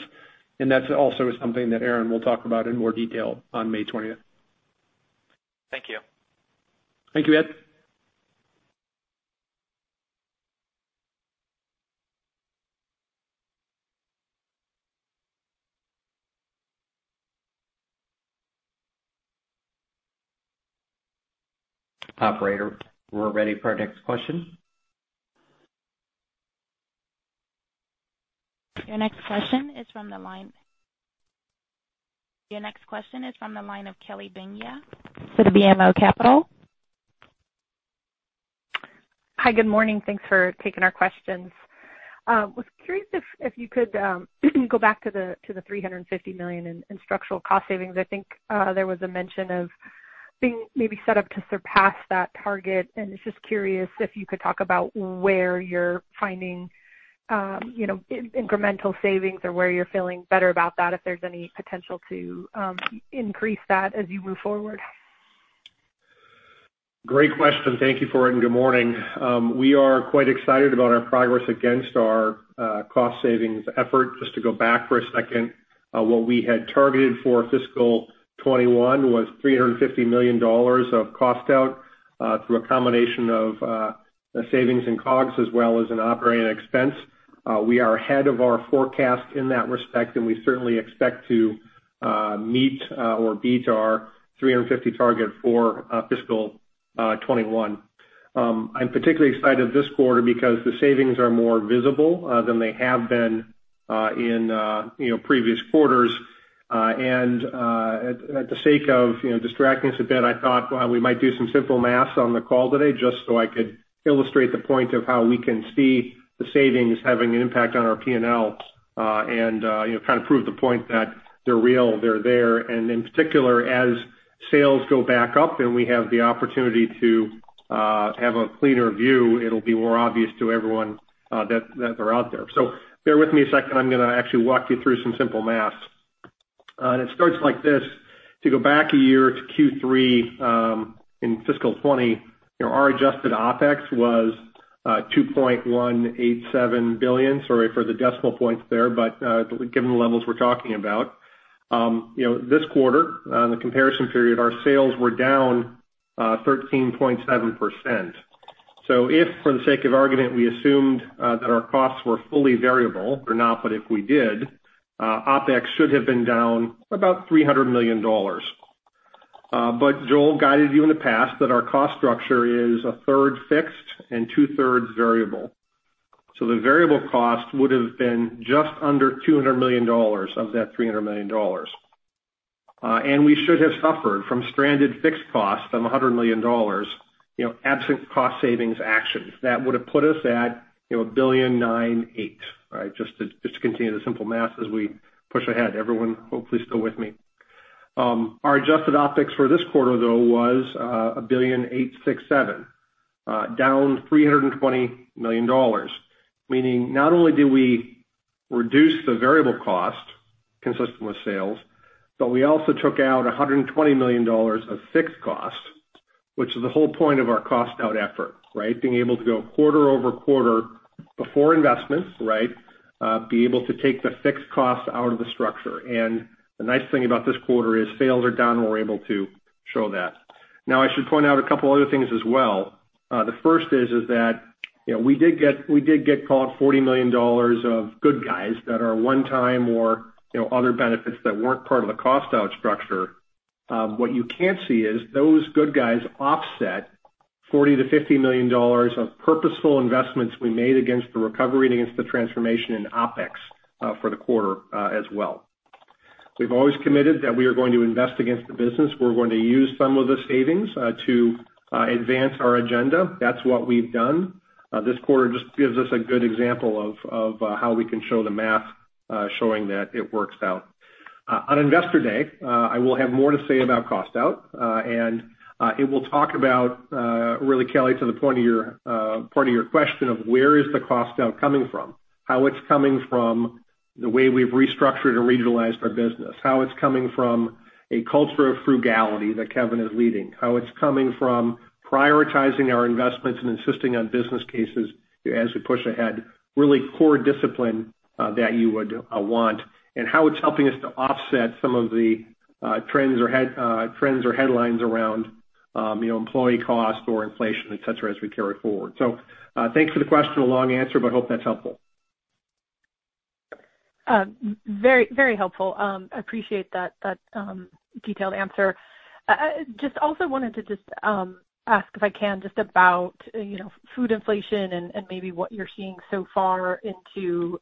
and that's also something that Aaron will talk about in more detail on May 20th. Thank you. Thank you, Ed. Operator, we're ready for our next question. Your next question is from the line of Kelly Bania for the BMO Capital. Hi, good morning. Thanks for taking our questions. I was curious if you could go back to the $350 million in structural cost savings. I think there was a mention of being maybe set up to surpass that target, was just curious if you could talk about where you're finding incremental savings or where you're feeling better about that, if there's any potential to increase that as you move forward. Great question. Thank you for it, good morning. We are quite excited about our progress against our cost savings effort. Just to go back for a second, what we had targeted for fiscal 2021 was $350 million of cost out, through a combination of savings in COGS as well as in operating expense. We are ahead of our forecast in that respect, and we certainly expect to meet or beat our 350 target for fiscal 2021. I'm particularly excited this quarter because the savings are more visible than they have been in previous quarters. For the sake of distracting us a bit, I thought we might do some simple math on the call today, just so I could illustrate the point of how we can see the savings having an impact on our P&L. Kind of prove the point that they're real, they're there. In particular, as sales go back up and we have the opportunity to have a cleaner view, it'll be more obvious to everyone that they're out there. Bear with me a second. I'm going to actually walk you through some simple math. It starts like this. To go back a year to Q3, in fiscal 2020, our adjusted OPEX was $2.187 billion. Sorry for the decimal points there, but given the levels we're talking about. This quarter, the comparison period, our sales were down 13.7%. If, for the sake of argument, we assumed that our costs were fully variable, they're not, but if we did, OPEX should have been down about $300 million. Joel guided you in the past that our cost structure is one-third fixed and two-thirds variable. The variable cost would've been just under $200 million of that $300 million. We should have suffered from stranded fixed costs of $100 million, absent cost savings actions. That would have put us at $1.98 billion. Just to continue the simple math as we push ahead. Everyone, hopefully, still with me. Our adjusted OPEX for this quarter, though, was $1.867 billion. Down $320 million. Meaning not only did we reduce the variable cost consistent with sales, but we also took out $120 million of fixed cost, which is the whole point of our cost out effort, right? Being able to go quarter-over-quarter before investments. Be able to take the fixed cost out of the structure. The nice thing about this quarter is sales are down and we're able to show that. I should point out a couple other things as well. The first is that we did get caught $40 million of good guys that are one time or other benefits that weren't part of the cost out structure. What you can't see is those good guys offset $40 million-$50 million of purposeful investments we made against the recovery and against the transformation in OPEX for the quarter as well. We've always committed that we are going to invest against the business. We're going to use some of the savings to advance our agenda. That's what we've done. This quarter just gives us a good example of how we can show the math, showing that it works out. On Investor Day, I will have more to say about cost out. It will talk about, really, Kelly, to the point of your question of where is the cost out coming from, how it's coming from the way we've restructured and regionalized our business, how it's coming from a culture of frugality that Kevin is leading, how it's coming from prioritizing our investments and insisting on business cases as we push ahead. Really core discipline that you would want. How it's helping us to offset some of the trends or headlines around employee cost or inflation, et cetera, as we carry forward. Thanks for the question. A long answer, but hope that's helpful. Very helpful. I appreciate that detailed answer. Also wanted to ask if I can about food inflation and maybe what you're seeing so far into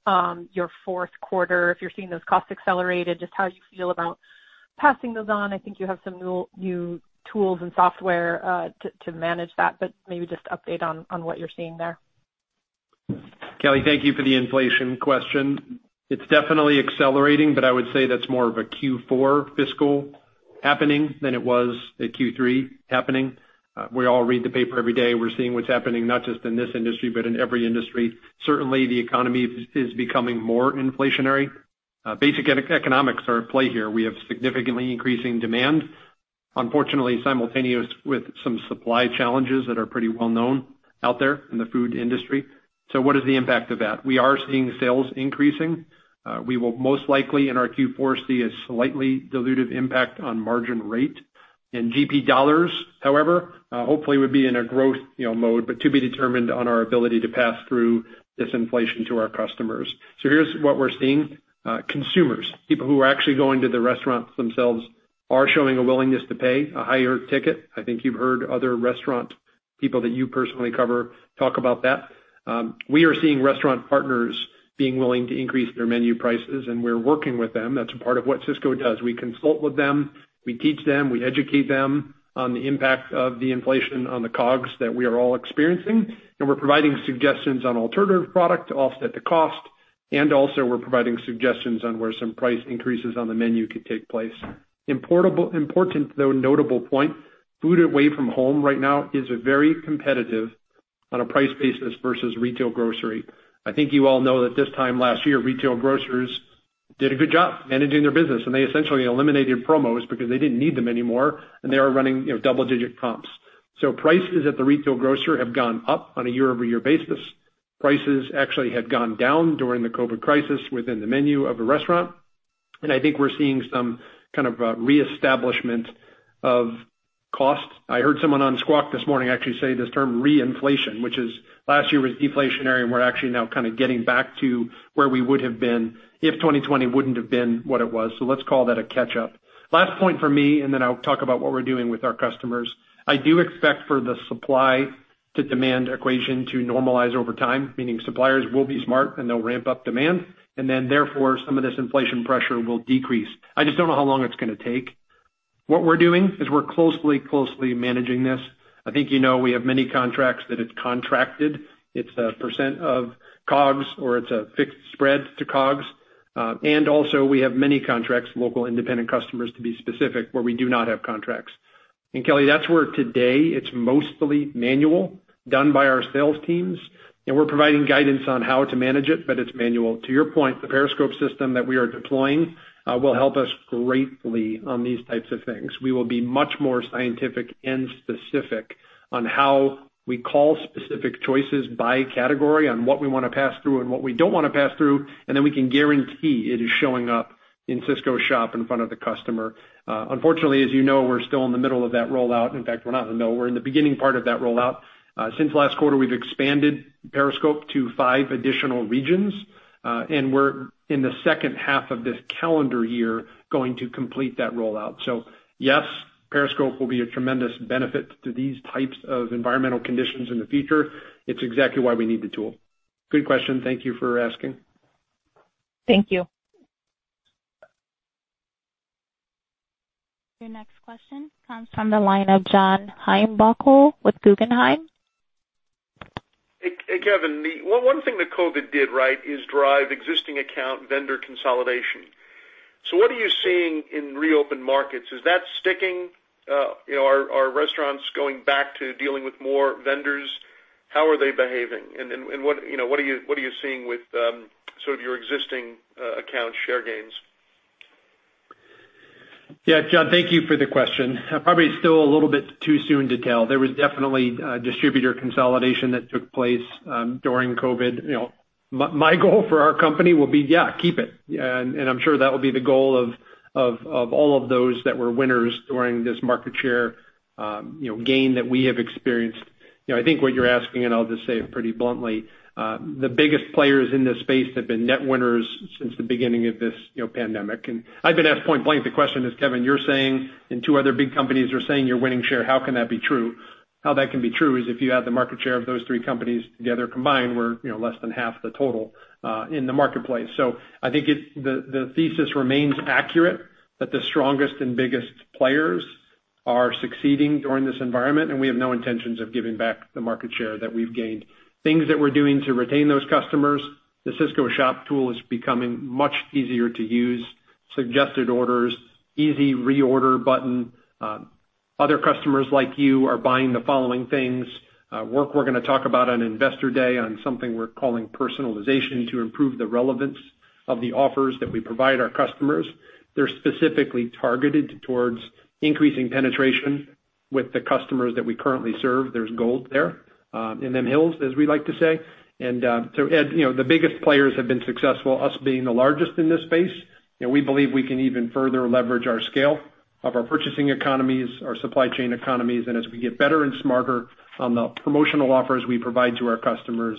your fourth quarter. If you're seeing those costs accelerated, just how you feel about passing those on. I think you have some new tools and software to manage that, but maybe just update on what you're seeing there. Kelly, thank you for the inflation question. It's definitely accelerating, but I would say that's more of a Q4 fiscal happening than it was a Q3 happening. We all read the paper every day. We're seeing what's happening not just in this industry, but in every industry. Certainly, the economy is becoming more inflationary. Basic economics are at play here. We have significantly increasing demand, unfortunately simultaneous with some supply challenges that are pretty well known out there in the food industry. What is the impact of that? We are seeing sales increasing. We will most likely in our Q4 see a slightly dilutive impact on margin rate. In GP dollars, however, hopefully we'll be in a growth mode, but to be determined on our ability to pass through this inflation to our customers. Here's what we're seeing. Consumers, people who are actually going to the restaurants themselves, are showing a willingness to pay a higher ticket. I think you've heard other restaurant people that you personally cover talk about that. We are seeing restaurant partners being willing to increase their menu prices, and we're working with them. That's a part of what Sysco does. We consult with them. We teach them, we educate them on the impact of the inflation on the COGS that we are all experiencing. We're providing suggestions on alternative product to offset the cost. Also we're providing suggestions on where some price increases on the menu could take place. Important, though notable point, food away from home right now is very competitive on a price basis versus retail grocery. I think you all know that this time last year, retail grocers did a good job managing their business, and they essentially eliminated promos because they didn't need them anymore, and they are running double-digit comps. Prices at the retail grocer have gone up on a year-over-year basis. Prices actually had gone down during the COVID crisis within the menu of a restaurant. I think we're seeing some kind of a reestablishment of cost. I heard someone on Squawk this morning actually say this term re-inflation, which is last year was deflationary, and we're actually now kind of getting back to where we would have been if 2020 wouldn't have been what it was. Let's call that a catch-up. Last point from me, and then I'll talk about what we're doing with our customers. I do expect for the supply to demand equation to normalize over time, meaning suppliers will be smart and they'll ramp up demand, and then therefore, some of this inflation pressure will decrease. I just don't know how long it's going to take. What we're doing is we're closely managing this. I think you know we have many contracts that it's contracted. It's a percent of COGS, or it's a fixed spread to COGS. Also we have many contracts, local independent customers, to be specific, where we do not have contracts. Kelly, that's where today it's mostly manual, done by our sales teams, and we're providing guidance on how to manage it, but it's manual. To your point, the Periscope system that we are deploying will help us greatly on these types of things. We will be much more scientific and specific on how we call specific choices by category on what we want to pass through and what we don't want to pass through, then we can guarantee it is showing up in Sysco Shop in front of the customer. Unfortunately, as you know, we're still in the middle of that rollout. In fact, we're not in the middle. We're in the beginning part of that rollout. Since last quarter, we've expanded Periscope to five additional regions. We're in the second half of this calendar year going to complete that rollout. Yes, Periscope will be a tremendous benefit to these types of environmental conditions in the future. It's exactly why we need the tool. Good question. Thank you for asking. Thank you. Your next question comes from the line of John Heinbockel with Guggenheim. Hey, Kevin. One thing that COVID did is drive existing account vendor consolidation. What are you seeing in reopened markets? Is that sticking? Are restaurants going back to dealing with more vendors? How are they behaving? What are you seeing with sort of your existing account share gains? John, thank you for the question. Probably still a little bit too soon to tell. There was definitely distributor consolidation that took place during COVID. My goal for our company will be, keep it. I'm sure that will be the goal of all of those that were winners during this market share gain that we have experienced. I think what you're asking, I'll just say it pretty bluntly, the biggest players in this space have been net winners since the beginning of this pandemic. I've been asked point blank, the question is, Kevin, you're saying, and two other big companies are saying you're winning share. How can that be true? How that can be true is if you add the market share of those three companies together combined, we're less than half the total in the marketplace. I think the thesis remains accurate that the strongest and biggest players are succeeding during this environment, and we have no intentions of giving back the market share that we've gained. Things that we're doing to retain those customers, the Sysco Shop tool is becoming much easier to use. Suggested orders, easy reorder button. Other customers like you are buying the following things. Work we're going to talk about on Investor Day on something we're calling personalization to improve the relevance of the offers that we provide our customers. They're specifically targeted towards increasing penetration With the customers that we currently serve, there's gold there in them hills, as we like to say. The biggest players have been successful, us being the largest in this space. We believe we can even further leverage our scale of our purchasing economies, our supply chain economies, and as we get better and smarter on the promotional offers we provide to our customers,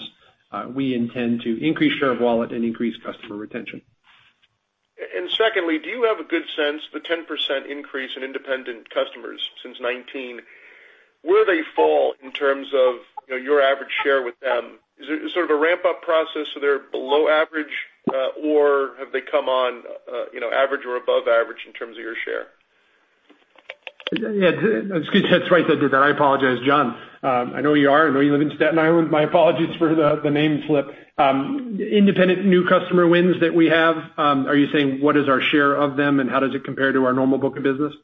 we intend to increase share of wallet and increase customer retention. Secondly, do you have a good sense, the 10% increase in independent customers since 2019, where they fall in terms of your average share with them? Is it sort of a ramp-up process, so they're below average? Have they come on average or above average in terms of your share? Yeah. Excuse me. That's right. I did that. I apologize, John. I know where you are. I know you live in Staten Island. My apologies for the name slip. Independent new customer wins that we have, are you saying, what is our share of them, and how does it compare to our normal book of business?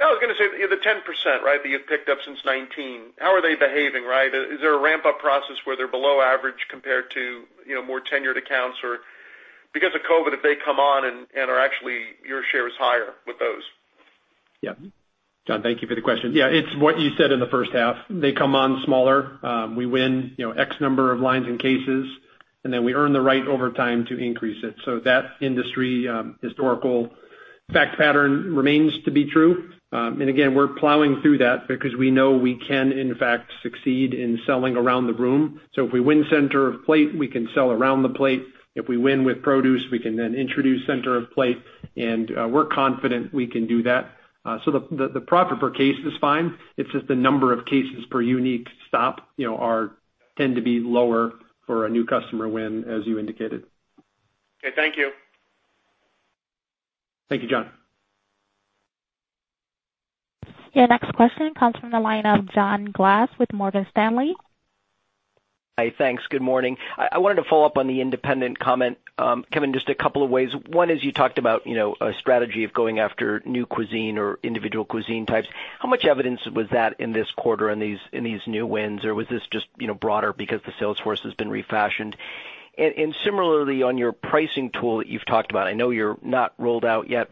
No, I was going to say the 10%, right, that you've picked up since 2019. How are they behaving, right? Is there a ramp-up process where they're below average compared to more tenured accounts? Or because of COVID, have they come on and are actually, your share is higher with those? Yeah. John, thank you for the question. Yeah, it's what you said in the first half. They come on smaller. We win X number of lines and cases, and then we earn the right over time to increase it. That industry historical fact pattern remains to be true. Again, we're plowing through that because we know we can, in fact, succeed in selling around the room. If we win center of plate, we can sell around the plate. If we win with produce, we can then introduce center of plate, and we're confident we can do that. The profit per case is fine. It's just the number of cases per unique stop tend to be lower for a new customer win, as you indicated. Okay, thank you. Thank you, John. Your next question comes from the line of John Glass with Morgan Stanley. Hi, thanks. Good morning. I wanted to follow up on the independent comment. Kevin, just a couple of ways. One is you talked about a strategy of going after new cuisine or individual cuisine types. How much evidence was that in this quarter in these new wins? Was this just broader because the sales force has been refashioned? Similarly, on your pricing tool that you've talked about. I know you're not rolled out yet,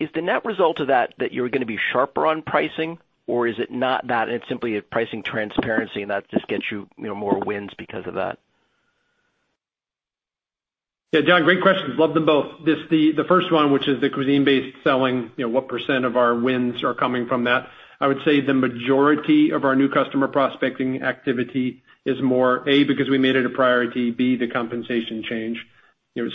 is the net result of that that you're going to be sharper on pricing, or is it not that, it's simply a pricing transparency and that just gets you more wins because of that? Yeah, John, great questions. Love them both. The first one, which is the cuisine-based selling, what % of our wins are coming from that? I would say the majority of our new customer prospecting activity is more, A, because we made it a priority, B, the compensation change.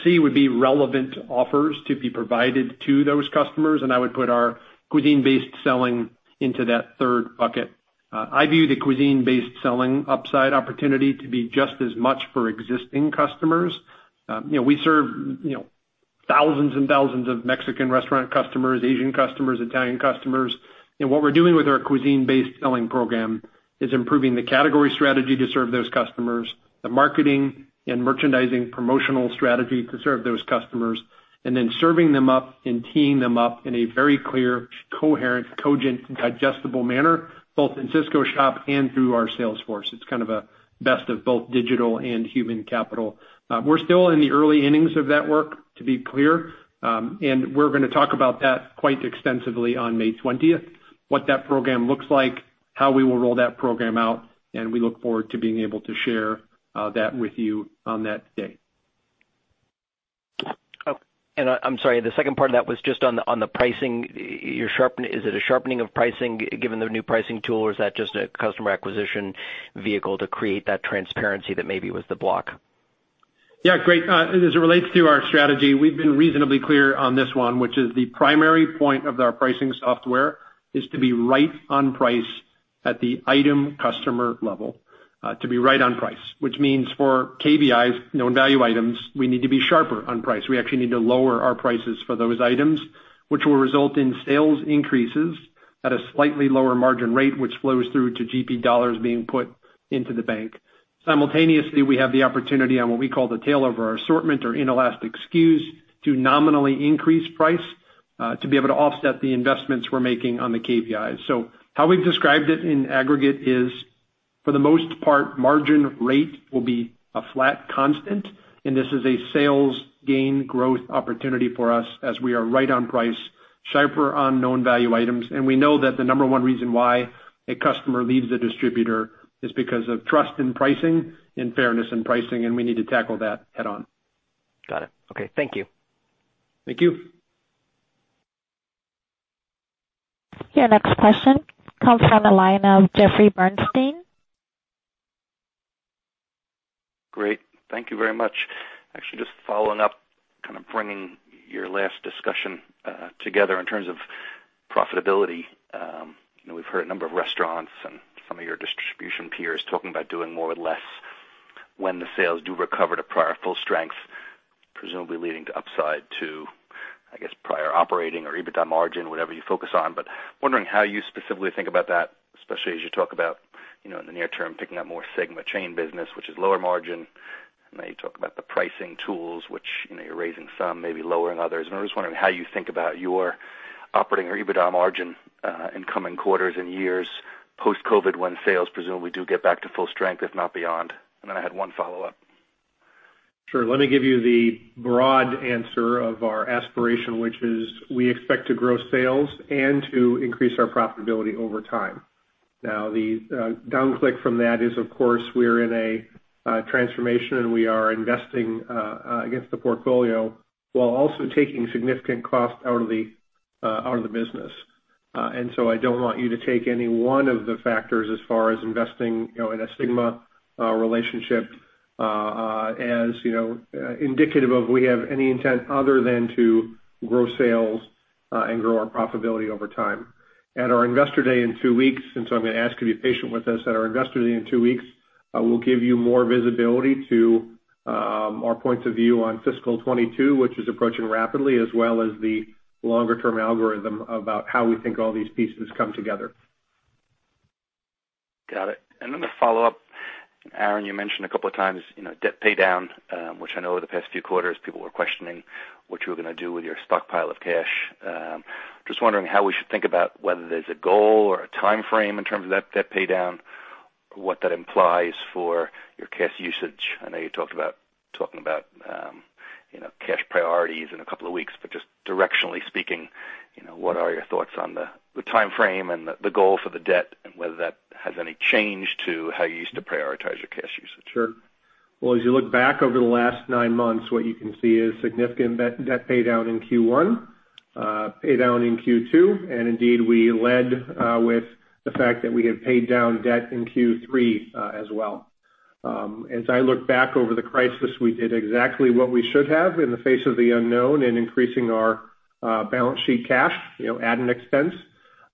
C would be relevant offers to be provided to those customers, I would put our cuisine-based selling into that third bucket. I view the cuisine-based selling upside opportunity to be just as much for existing customers. We serve thousands of Mexican restaurant customers, Asian customers, Italian customers. What we're doing with our cuisine-based selling program is improving the category strategy to serve those customers, the marketing and merchandising promotional strategy to serve those customers, and then serving them up and teeing them up in a very clear, coherent, cogent, and digestible manner, both in Sysco Shop and through our sales force. It's kind of a best of both digital and human capital. We're still in the early innings of that work, to be clear. We're going to talk about that quite extensively on May 20th. What that program looks like, how we will roll that program out, and we look forward to being able to share that with you on that day. Okay. I'm sorry, the second part of that was just on the pricing. Is it a sharpening of pricing given the new pricing tool, or is that just a customer acquisition vehicle to create that transparency that maybe was the block? Yeah, great. As it relates to our strategy, we've been reasonably clear on this one, which is the primary point of our pricing software is to be right on price at the item customer level. To be right on price. Which means for KVIs, known value items, we need to be sharper on price. We actually need to lower our prices for those items, which will result in sales increases at a slightly lower margin rate, which flows through to GP dollars being put into the bank. Simultaneously, we have the opportunity on what we call the tail of our assortment or inelastic SKUs to nominally increase price, to be able to offset the investments we're making on the KVIs. How we've described it in aggregate is, for the most part, margin rate will be a flat constant, and this is a sales gain growth opportunity for us as we are right on price, sharper on known value items. We know that the number one reason why a customer leaves a distributor is because of trust in pricing and fairness in pricing, and we need to tackle that head on. Got it. Okay. Thank you. Thank you. Your next question comes from the line of Jeffrey Bernstein. Great. Thank you very much. Actually, just following up, kind of bringing your last discussion together in terms of profitability. We've heard a number of restaurants and some of your distribution peers talking about doing more with less when the sales do recover to prior full strength, presumably leading to upside to, I guess, prior operating or EBITDA margin, whatever you focus on. Wondering how you specifically think about that, especially as you talk about in the near term, picking up more segment chain business, which is lower margin. I know you talk about the pricing tools, which you're raising some, maybe lowering others, and I'm just wondering how you think about your operating or EBITDA margin in coming quarters and years post-COVID when sales presumably do get back to full strength, if not beyond. Then I had one follow-up. Sure. Let me give you the broad answer of our aspiration, which is we expect to grow sales and to increase our profitability over time. Now, the down click from that is, of course, we're in a transformation, and we are investing against the portfolio while also taking significant cost out of the business. I don't want you to take any one of the factors as far as investing in a Sygma relationship as indicative of we have any intent other than to grow sales and grow our profitability over time. At our Investor Day in two weeks, I'm going to ask you to be patient with us, at our Investor Day in two weeks, I will give you more visibility to our points of view on fiscal 2022, which is approaching rapidly, as well as the longer term algorithm about how we think all these pieces come together. Got it. A follow-up. Aaron, you mentioned a couple of times, debt paydown, which I know over the past few quarters, people were questioning what you were going to do with your stockpile of cash. Just wondering how we should think about whether there's a goal or a timeframe in terms of that paydown, what that implies for your cash usage. I know you're talking about cash priorities in a couple of weeks, but just directionally speaking, what are your thoughts on the timeframe and the goal for the debt, and whether that has any change to how you used to prioritize your cash usage? Sure. As you look back over the last nine months, what you can see is significant debt paydown in Q1, paydown in Q2, indeed, we led with the fact that we have paid down debt in Q3 as well. As I look back over the crisis, we did exactly what we should have in the face of the unknown in increasing our balance sheet cash at an expense.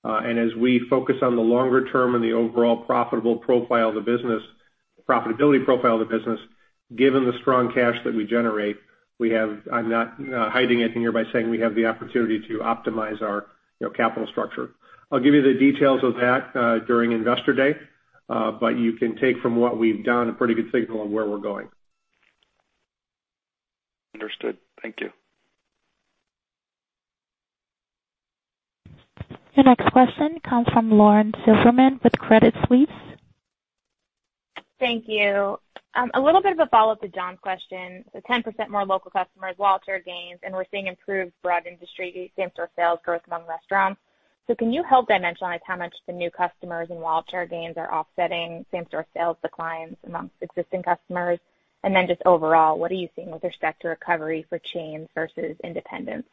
As we focus on the longer term and the overall profitability profile of the business, given the strong cash that we generate, I'm not hiding anything here by saying we have the opportunity to optimize our capital structure. I'll give you the details of that during Investor Day. You can take from what we've done a pretty good signal on where we're going. Understood. Thank you. Your next question comes from Lauren Silberman with Credit Suisse. Thank you. A little bit of a follow-up to John's question. The 10% more local customers, wallet share gains, we're seeing improved broad industry same-store sales growth among restaurants. Can you help dimensionalize how much the new customers and wallet share gains are offsetting same-store sales declines amongst existing customers? Just overall, what are you seeing with respect to recovery for chains versus independents?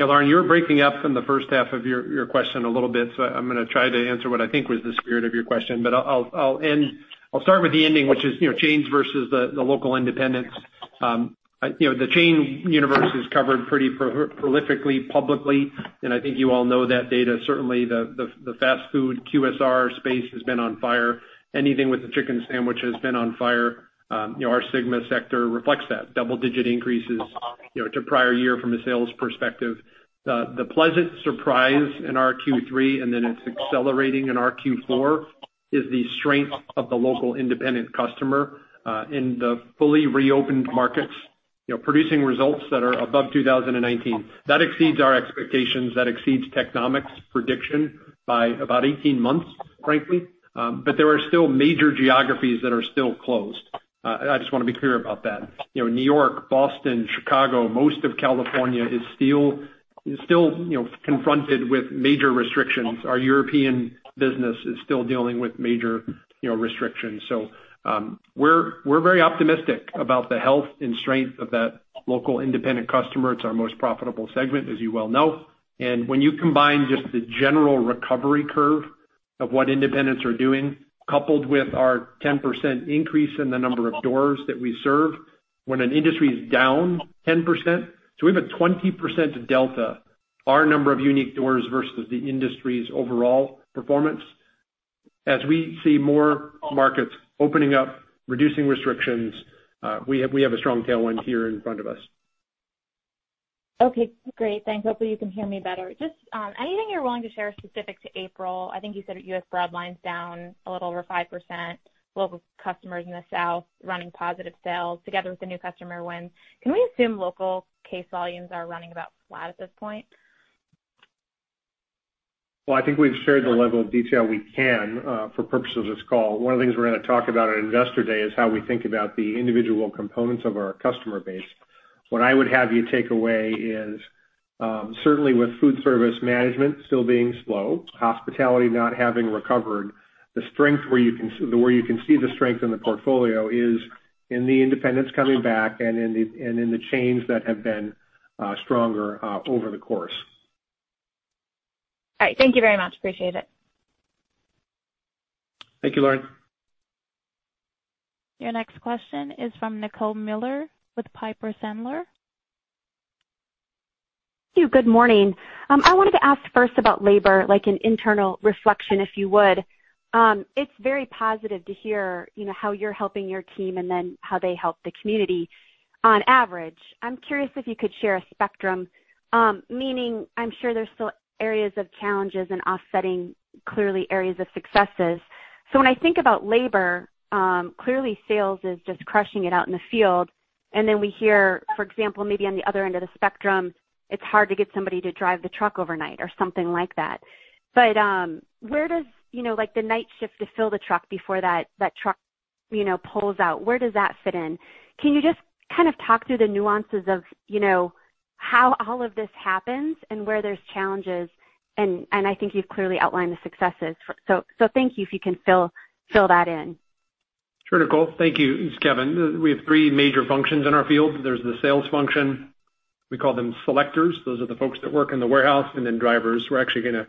Yeah, Lauren, you were breaking up in the first half of your question a little bit, I'm going to try to answer what I think was the spirit of your question. I'll start with the ending, which is, chains versus the local independents. The chain universe is covered pretty prolifically publicly, and I think you all know that data. Certainly the fast food QSR space has been on fire. Anything with a chicken sandwich has been on fire. Our Sygma sector reflects that. Double-digit increases to prior year from a sales perspective. The pleasant surprise in our Q3, it's accelerating in our Q4, is the strength of the local independent customer in the fully reopened markets, producing results that are above 2019. That exceeds our expectations. That exceeds Technomic's prediction by about 18 months, frankly. There are still major geographies that are still closed. I just want to be clear about that. New York, Boston, Chicago, most of California is still confronted with major restrictions. Our European business is still dealing with major restrictions. We're very optimistic about the health and strength of that local independent customer. It's our most profitable segment, as you well know. When you combine just the general recovery curve of what independents are doing, coupled with our 10% increase in the number of doors that we serve, when an industry is down 10%, we have a 20% delta, our number of unique doors versus the industry's overall performance. As we see more markets opening up, reducing restrictions, we have a strong tailwind here in front of us. Okay, great. Thanks. Hopefully you can hear me better. Just anything you're willing to share specific to April? I think you said U.S. broad line's down a little over 5%. Local customers in the South running positive sales together with the new customer wins. Can we assume local case volumes are running about flat at this point? Well, I think we've shared the level of detail we can for purposes of this call. One of the things we're going to talk about at Investor Day is how we think about the individual components of our customer base. What I would have you take away is, certainly with food service management still being slow, hospitality not having recovered, where you can see the strength in the portfolio is in the independents coming back and in the chains that have been stronger over the course. All right. Thank you very much. Appreciate it. Thank you, Lauren. Your next question is from Nicole Miller with Piper Sandler. Thank you. Good morning. I wanted to ask first about labor, like an internal reflection, if you would. It's very positive to hear how you're helping your team and then how they help the community on average. I'm curious if you could share a spectrum, meaning I'm sure there's still areas of challenges and offsetting, clearly areas of successes. When I think about labor, clearly sales is just crushing it out in the field. We hear, for example, maybe on the other end of the spectrum, it's hard to get somebody to drive the truck overnight or something like that. Where does the night shift to fill the truck before that truck pulls out, where does that fit in? Can you just talk through the nuances of how all of this happens and where there's challenges, and I think you've clearly outlined the successes. Thank you if you can fill that in. Sure, Nicole. Thank you. It's Kevin. We have three major functions in our field. There's the sales function. We call them selectors. Those are the folks that work in the warehouse, and then drivers. We're actually going to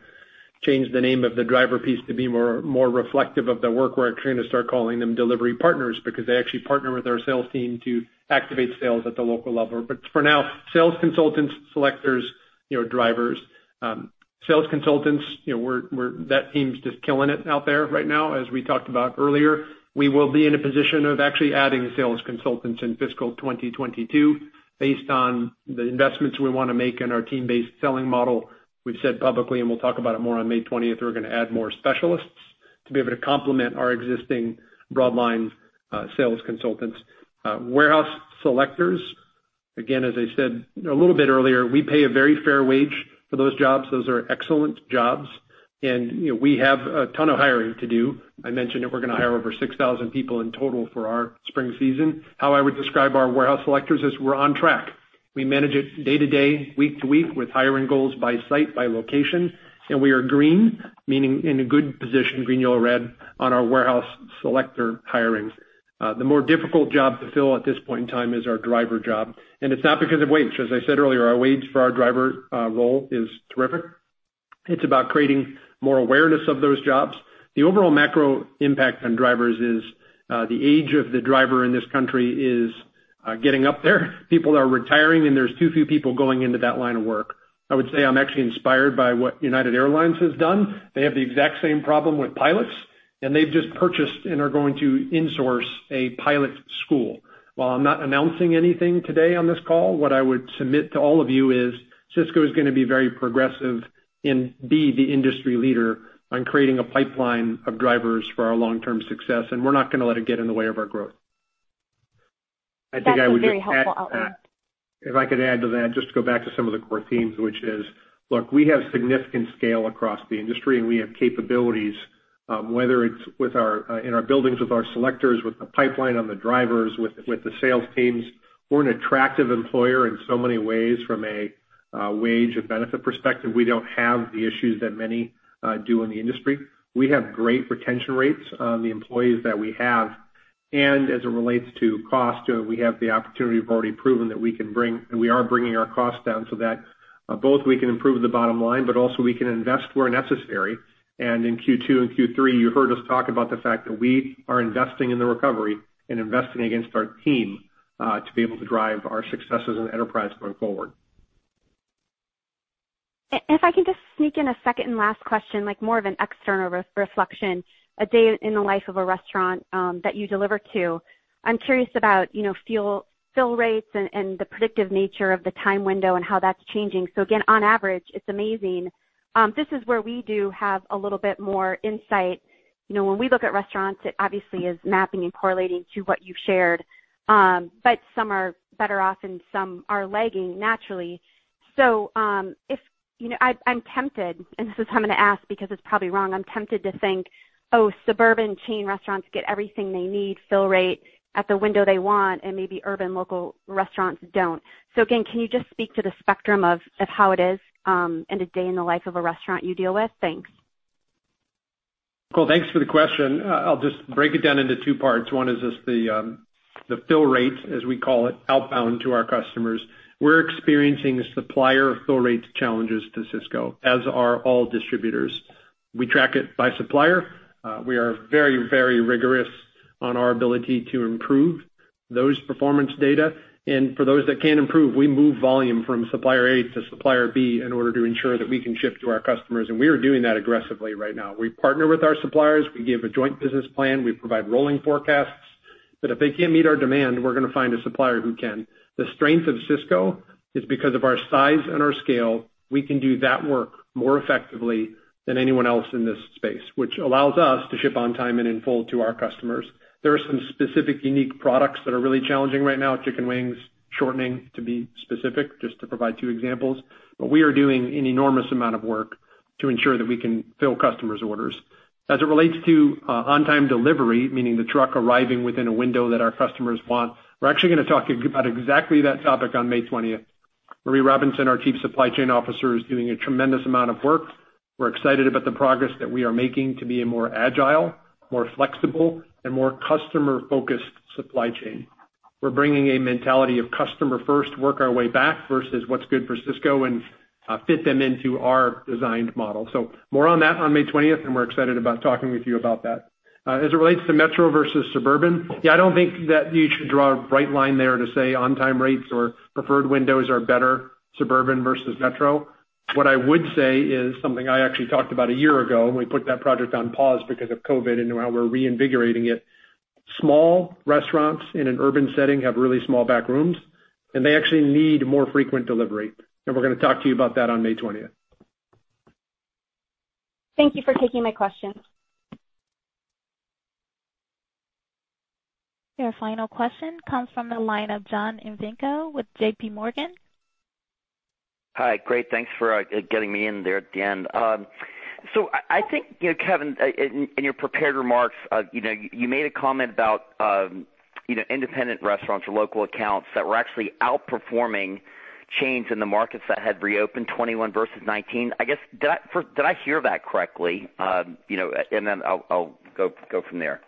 change the name of the driver piece to be more reflective of the work. We're actually going to start calling them delivery partners because they actually partner with our sales team to activate sales at the local level. For now, sales consultants, selectors, drivers. Sales consultants, that team's just killing it out there right now, as we talked about earlier. We will be in a position of actually adding sales consultants in fiscal 2022 based on the investments we want to make in our team-based selling model. We've said publicly, we'll talk about it more on May 20th, we're going to add more specialists to be able to complement our existing broad line sales consultants. Warehouse selectors, again, as I said a little bit earlier, we pay a very fair wage for those jobs. Those are excellent jobs. We have a ton of hiring to do. I mentioned that we're going to hire over 6,000 people in total for our spring season. How I would describe our warehouse selectors is we're on track. We manage it day to day, week to week with hiring goals by site, by location, and we are green, meaning in a good position, green, yellow, red on our warehouse selector hiring. The more difficult job to fill at this point in time is our driver job. It's not because of wage. As I said earlier, our wage for our driver role is terrific. It's about creating more awareness of those jobs. The overall macro impact on drivers is the age of the driver in this country is getting up there. People are retiring, there's too few people going into that line of work. I would say I'm actually inspired by what United Airlines has done. They have the exact same problem with pilots, they've just purchased and are going to insource a pilot school. While I'm not announcing anything today on this call, what I would submit to all of you is Sysco is going to be very progressive and be the industry leader on creating a pipeline of drivers for our long-term success, we're not going to let it get in the way of our growth. I think I would just add- That's a very helpful outline. If I could add to that, just to go back to some of the core themes, which is, look, we have significant scale across the industry, and we have capabilities, whether it's in our buildings with our selectors, with the pipeline on the drivers, with the sales teams. We're an attractive employer in so many ways from a wage and benefit perspective. We don't have the issues that many do in the industry. We have great retention rates on the employees that we have. As it relates to cost, we have the opportunity. We've already proven that we can bring, and we are bringing our costs down so that both we can improve the bottom line, but also we can invest where necessary. In Q2 and Q3, you heard us talk about the fact that we are investing in the recovery and investing against our team, to be able to drive our successes and enterprise going forward. If I can just sneak in a second and last question, more of an external reflection, a day in the life of a restaurant that you deliver to. I'm curious about fill rates and the predictive nature of the time window and how that's changing. Again, on average, it's amazing. This is where we do have a little bit more insight. When we look at restaurants, it obviously is mapping and correlating to what you shared. Some are better off and some are lagging naturally. I'm tempted, and this is why I'm going to ask because it's probably wrong. I'm tempted to think, oh, suburban chain restaurants get everything they need, fill rate at the window they want, and maybe urban local restaurants don't. Again, can you just speak to the spectrum of how it is, and a day in the life of a restaurant you deal with? Thanks. Cool. Thanks for the question. I'll just break it down into two parts. One is just the fill rate, as we call it, outbound to our customers. We're experiencing supplier fill rate challenges to Sysco, as are all distributors. We track it by supplier. We are very, very rigorous on our ability to improve those performance data. For those that can improve, we move volume from supplier A to supplier B in order to ensure that we can ship to our customers, and we are doing that aggressively right now. We partner with our suppliers. We give a joint business plan. We provide rolling forecasts. If they can't meet our demand, we're going to find a supplier who can. The strength of Sysco is because of our size and our scale, we can do that work more effectively than anyone else in this space, which allows us to ship on time and in full to our customers. There are some specific unique products that are really challenging right now, chicken wings, shortening, to be specific, just to provide two examples. We are doing an enormous amount of work to ensure that we can fill customers' orders. As it relates to on-time delivery, meaning the truck arriving within a window that our customers want, we're actually going to talk about exactly that topic on May 20th. Marie Robinson, our Chief Supply Chain Officer, is doing a tremendous amount of work. We're excited about the progress that we are making to be a more agile, more flexible, and more customer-focused supply chain. We're bringing a mentality of customer first, work our way back versus what's good for Sysco and fit them into our designed model. More on that on May 20th, and we're excited about talking with you about that. As it relates to metro versus suburban, yeah, I don't think that you should draw a bright line there to say on-time rates or preferred windows are better suburban versus metro. What I would say is something I actually talked about a year ago, and we put that project on pause because of COVID and now we're reinvigorating it. Small restaurants in an urban setting have really small back rooms, and they actually need more frequent delivery. We're going to talk to you about that on May 20th. Thank you for taking my question. Your final question comes from the line of John Ivankoe with JP Morgan. Hi. Great. Thanks for getting me in there at the end. I think, Kevin, in your prepared remarks, you made a comment about independent restaurants or local accounts that were actually outperforming chains in the markets that had reopened 2021 versus 2019. I guess, did I hear that correctly? I'll go from there.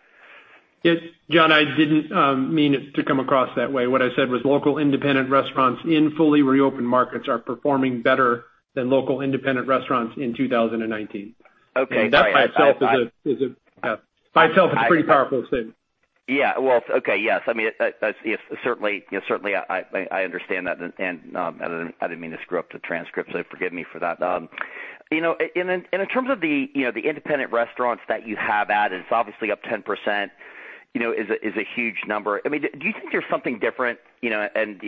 Yes, John, I didn't mean it to come across that way. What I said was local independent restaurants in fully reopened markets are performing better than local independent restaurants in 2019. Okay. Sorry. That by itself is a pretty powerful statement. Yeah. Well, okay. Yes. Certainly, I understand that. I didn't mean to screw up the transcript, so forgive me for that. In terms of the independent restaurants that you have added, it's obviously up 10%, is a huge number. Do you think there's something different, and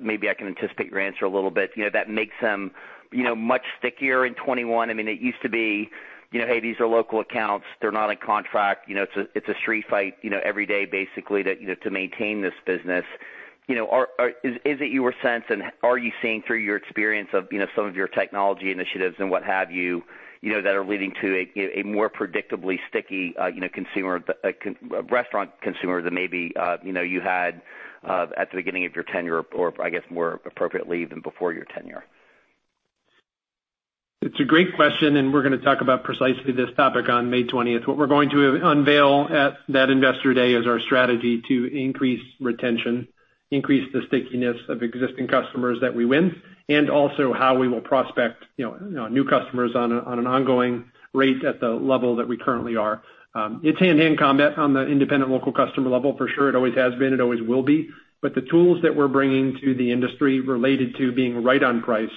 maybe I can anticipate your answer a little bit, that makes them much stickier in 2021? It used to be, hey, these are local accounts. They're not on contract. It's a street fight every day, basically, to maintain this business. Is it your sense, and are you seeing through your experience of some of your technology initiatives and what have you, that are leading to a more predictably sticky restaurant consumer than maybe you had at the beginning of your tenure, or I guess, more appropriately than before your tenure? It's a great question. We're going to talk about precisely this topic on May 20th. What we're going to unveil at that investor day is our strategy to increase retention, increase the stickiness of existing customers that we win, also how we will prospect new customers on an ongoing rate at the level that we currently are. It's hand-in-hand combat on the independent local customer level, for sure. It always has been, it always will be. The tools that we're bringing to the industry related to being right on price,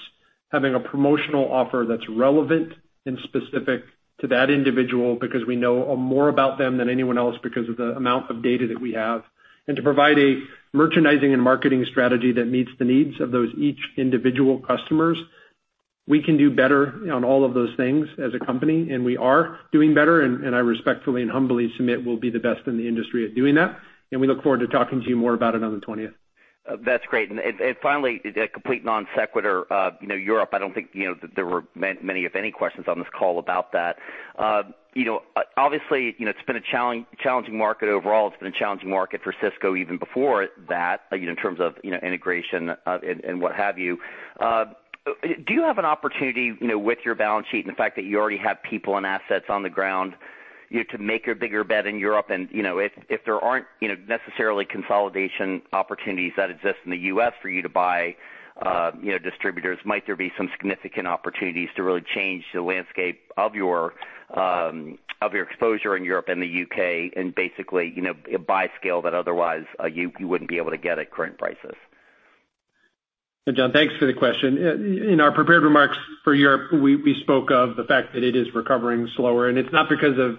having a promotional offer that's relevant and specific to that individual because we know more about them than anyone else because of the amount of data that we have, to provide a merchandising and marketing strategy that meets the needs of those each individual customers. We can do better on all of those things as a company. We are doing better. I respectfully and humbly submit we'll be the best in the industry at doing that. We look forward to talking to you more about it on the 20th. That's great. Finally, a complete non-sequitur. Europe, I don't think there were many, if any, questions on this call about that. Obviously, it's been a challenging market overall. It's been a challenging market for Sysco even before that in terms of integration and what have you. Do you have an opportunity with your balance sheet and the fact that you already have people and assets on the ground to make a bigger bet in Europe? If there aren't necessarily consolidation opportunities that exist in the U.S. for you to buy distributors, might there be some significant opportunities to really change the landscape of your exposure in Europe and the U.K. and basically buy scale that otherwise you wouldn't be able to get at current prices? John, thanks for the question. In our prepared remarks for Europe, we spoke of the fact that it is recovering slower, and it's not because of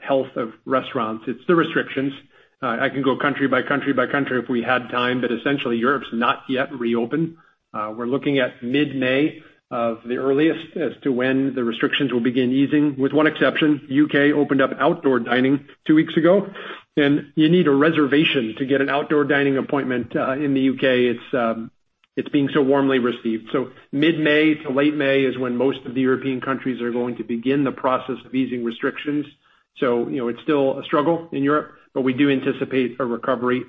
health of restaurants. It's the restrictions. I can go country by country by country if we had time, but essentially, Europe's not yet reopened. We're looking at mid-May of the earliest as to when the restrictions will begin easing, with one exception. U.K. opened up outdoor dining two weeks ago, and you need a reservation to get an outdoor dining appointment in the U.K. It's being so warmly received. Mid-May to late May is when most of the European countries are going to begin the process of easing restrictions. It's still a struggle in Europe, but we do anticipate a recovery.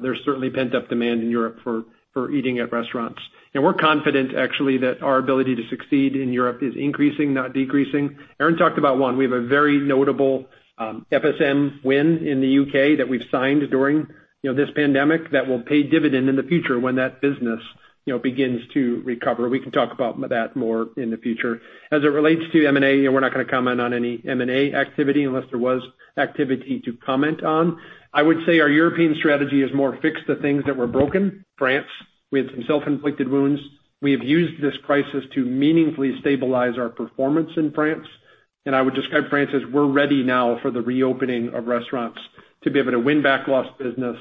There's certainly pent-up demand in Europe for eating at restaurants. We're confident, actually, that our ability to succeed in Europe is increasing, not decreasing. Aaron talked about one. We have a very notable FSM win in the U.K. that we've signed during this pandemic that will pay dividend in the future when that business begins to recover. We can talk about that more in the future. As it relates to M&A, we're not going to comment on any M&A activity unless there was activity to comment on. I would say our European strategy is more fix the things that were broken. France, we had some self-inflicted wounds. We have used this crisis to meaningfully stabilize our performance in France, and I would describe France as we're ready now for the reopening of restaurants to be able to win back lost business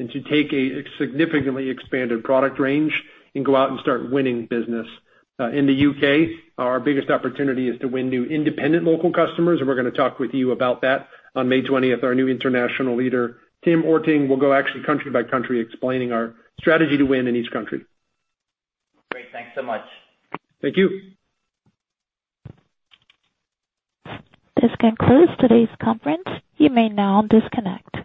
and to take a significantly expanded product range and go out and start winning business. In the U.K., our biggest opportunity is to win new independent local customers, and we're going to talk with you about that on May 20th. Our new international leader, Tim Ørting, will go actually country by country explaining our strategy to win in each country. Great. Thanks so much. Thank you. This concludes today's conference. You may now disconnect.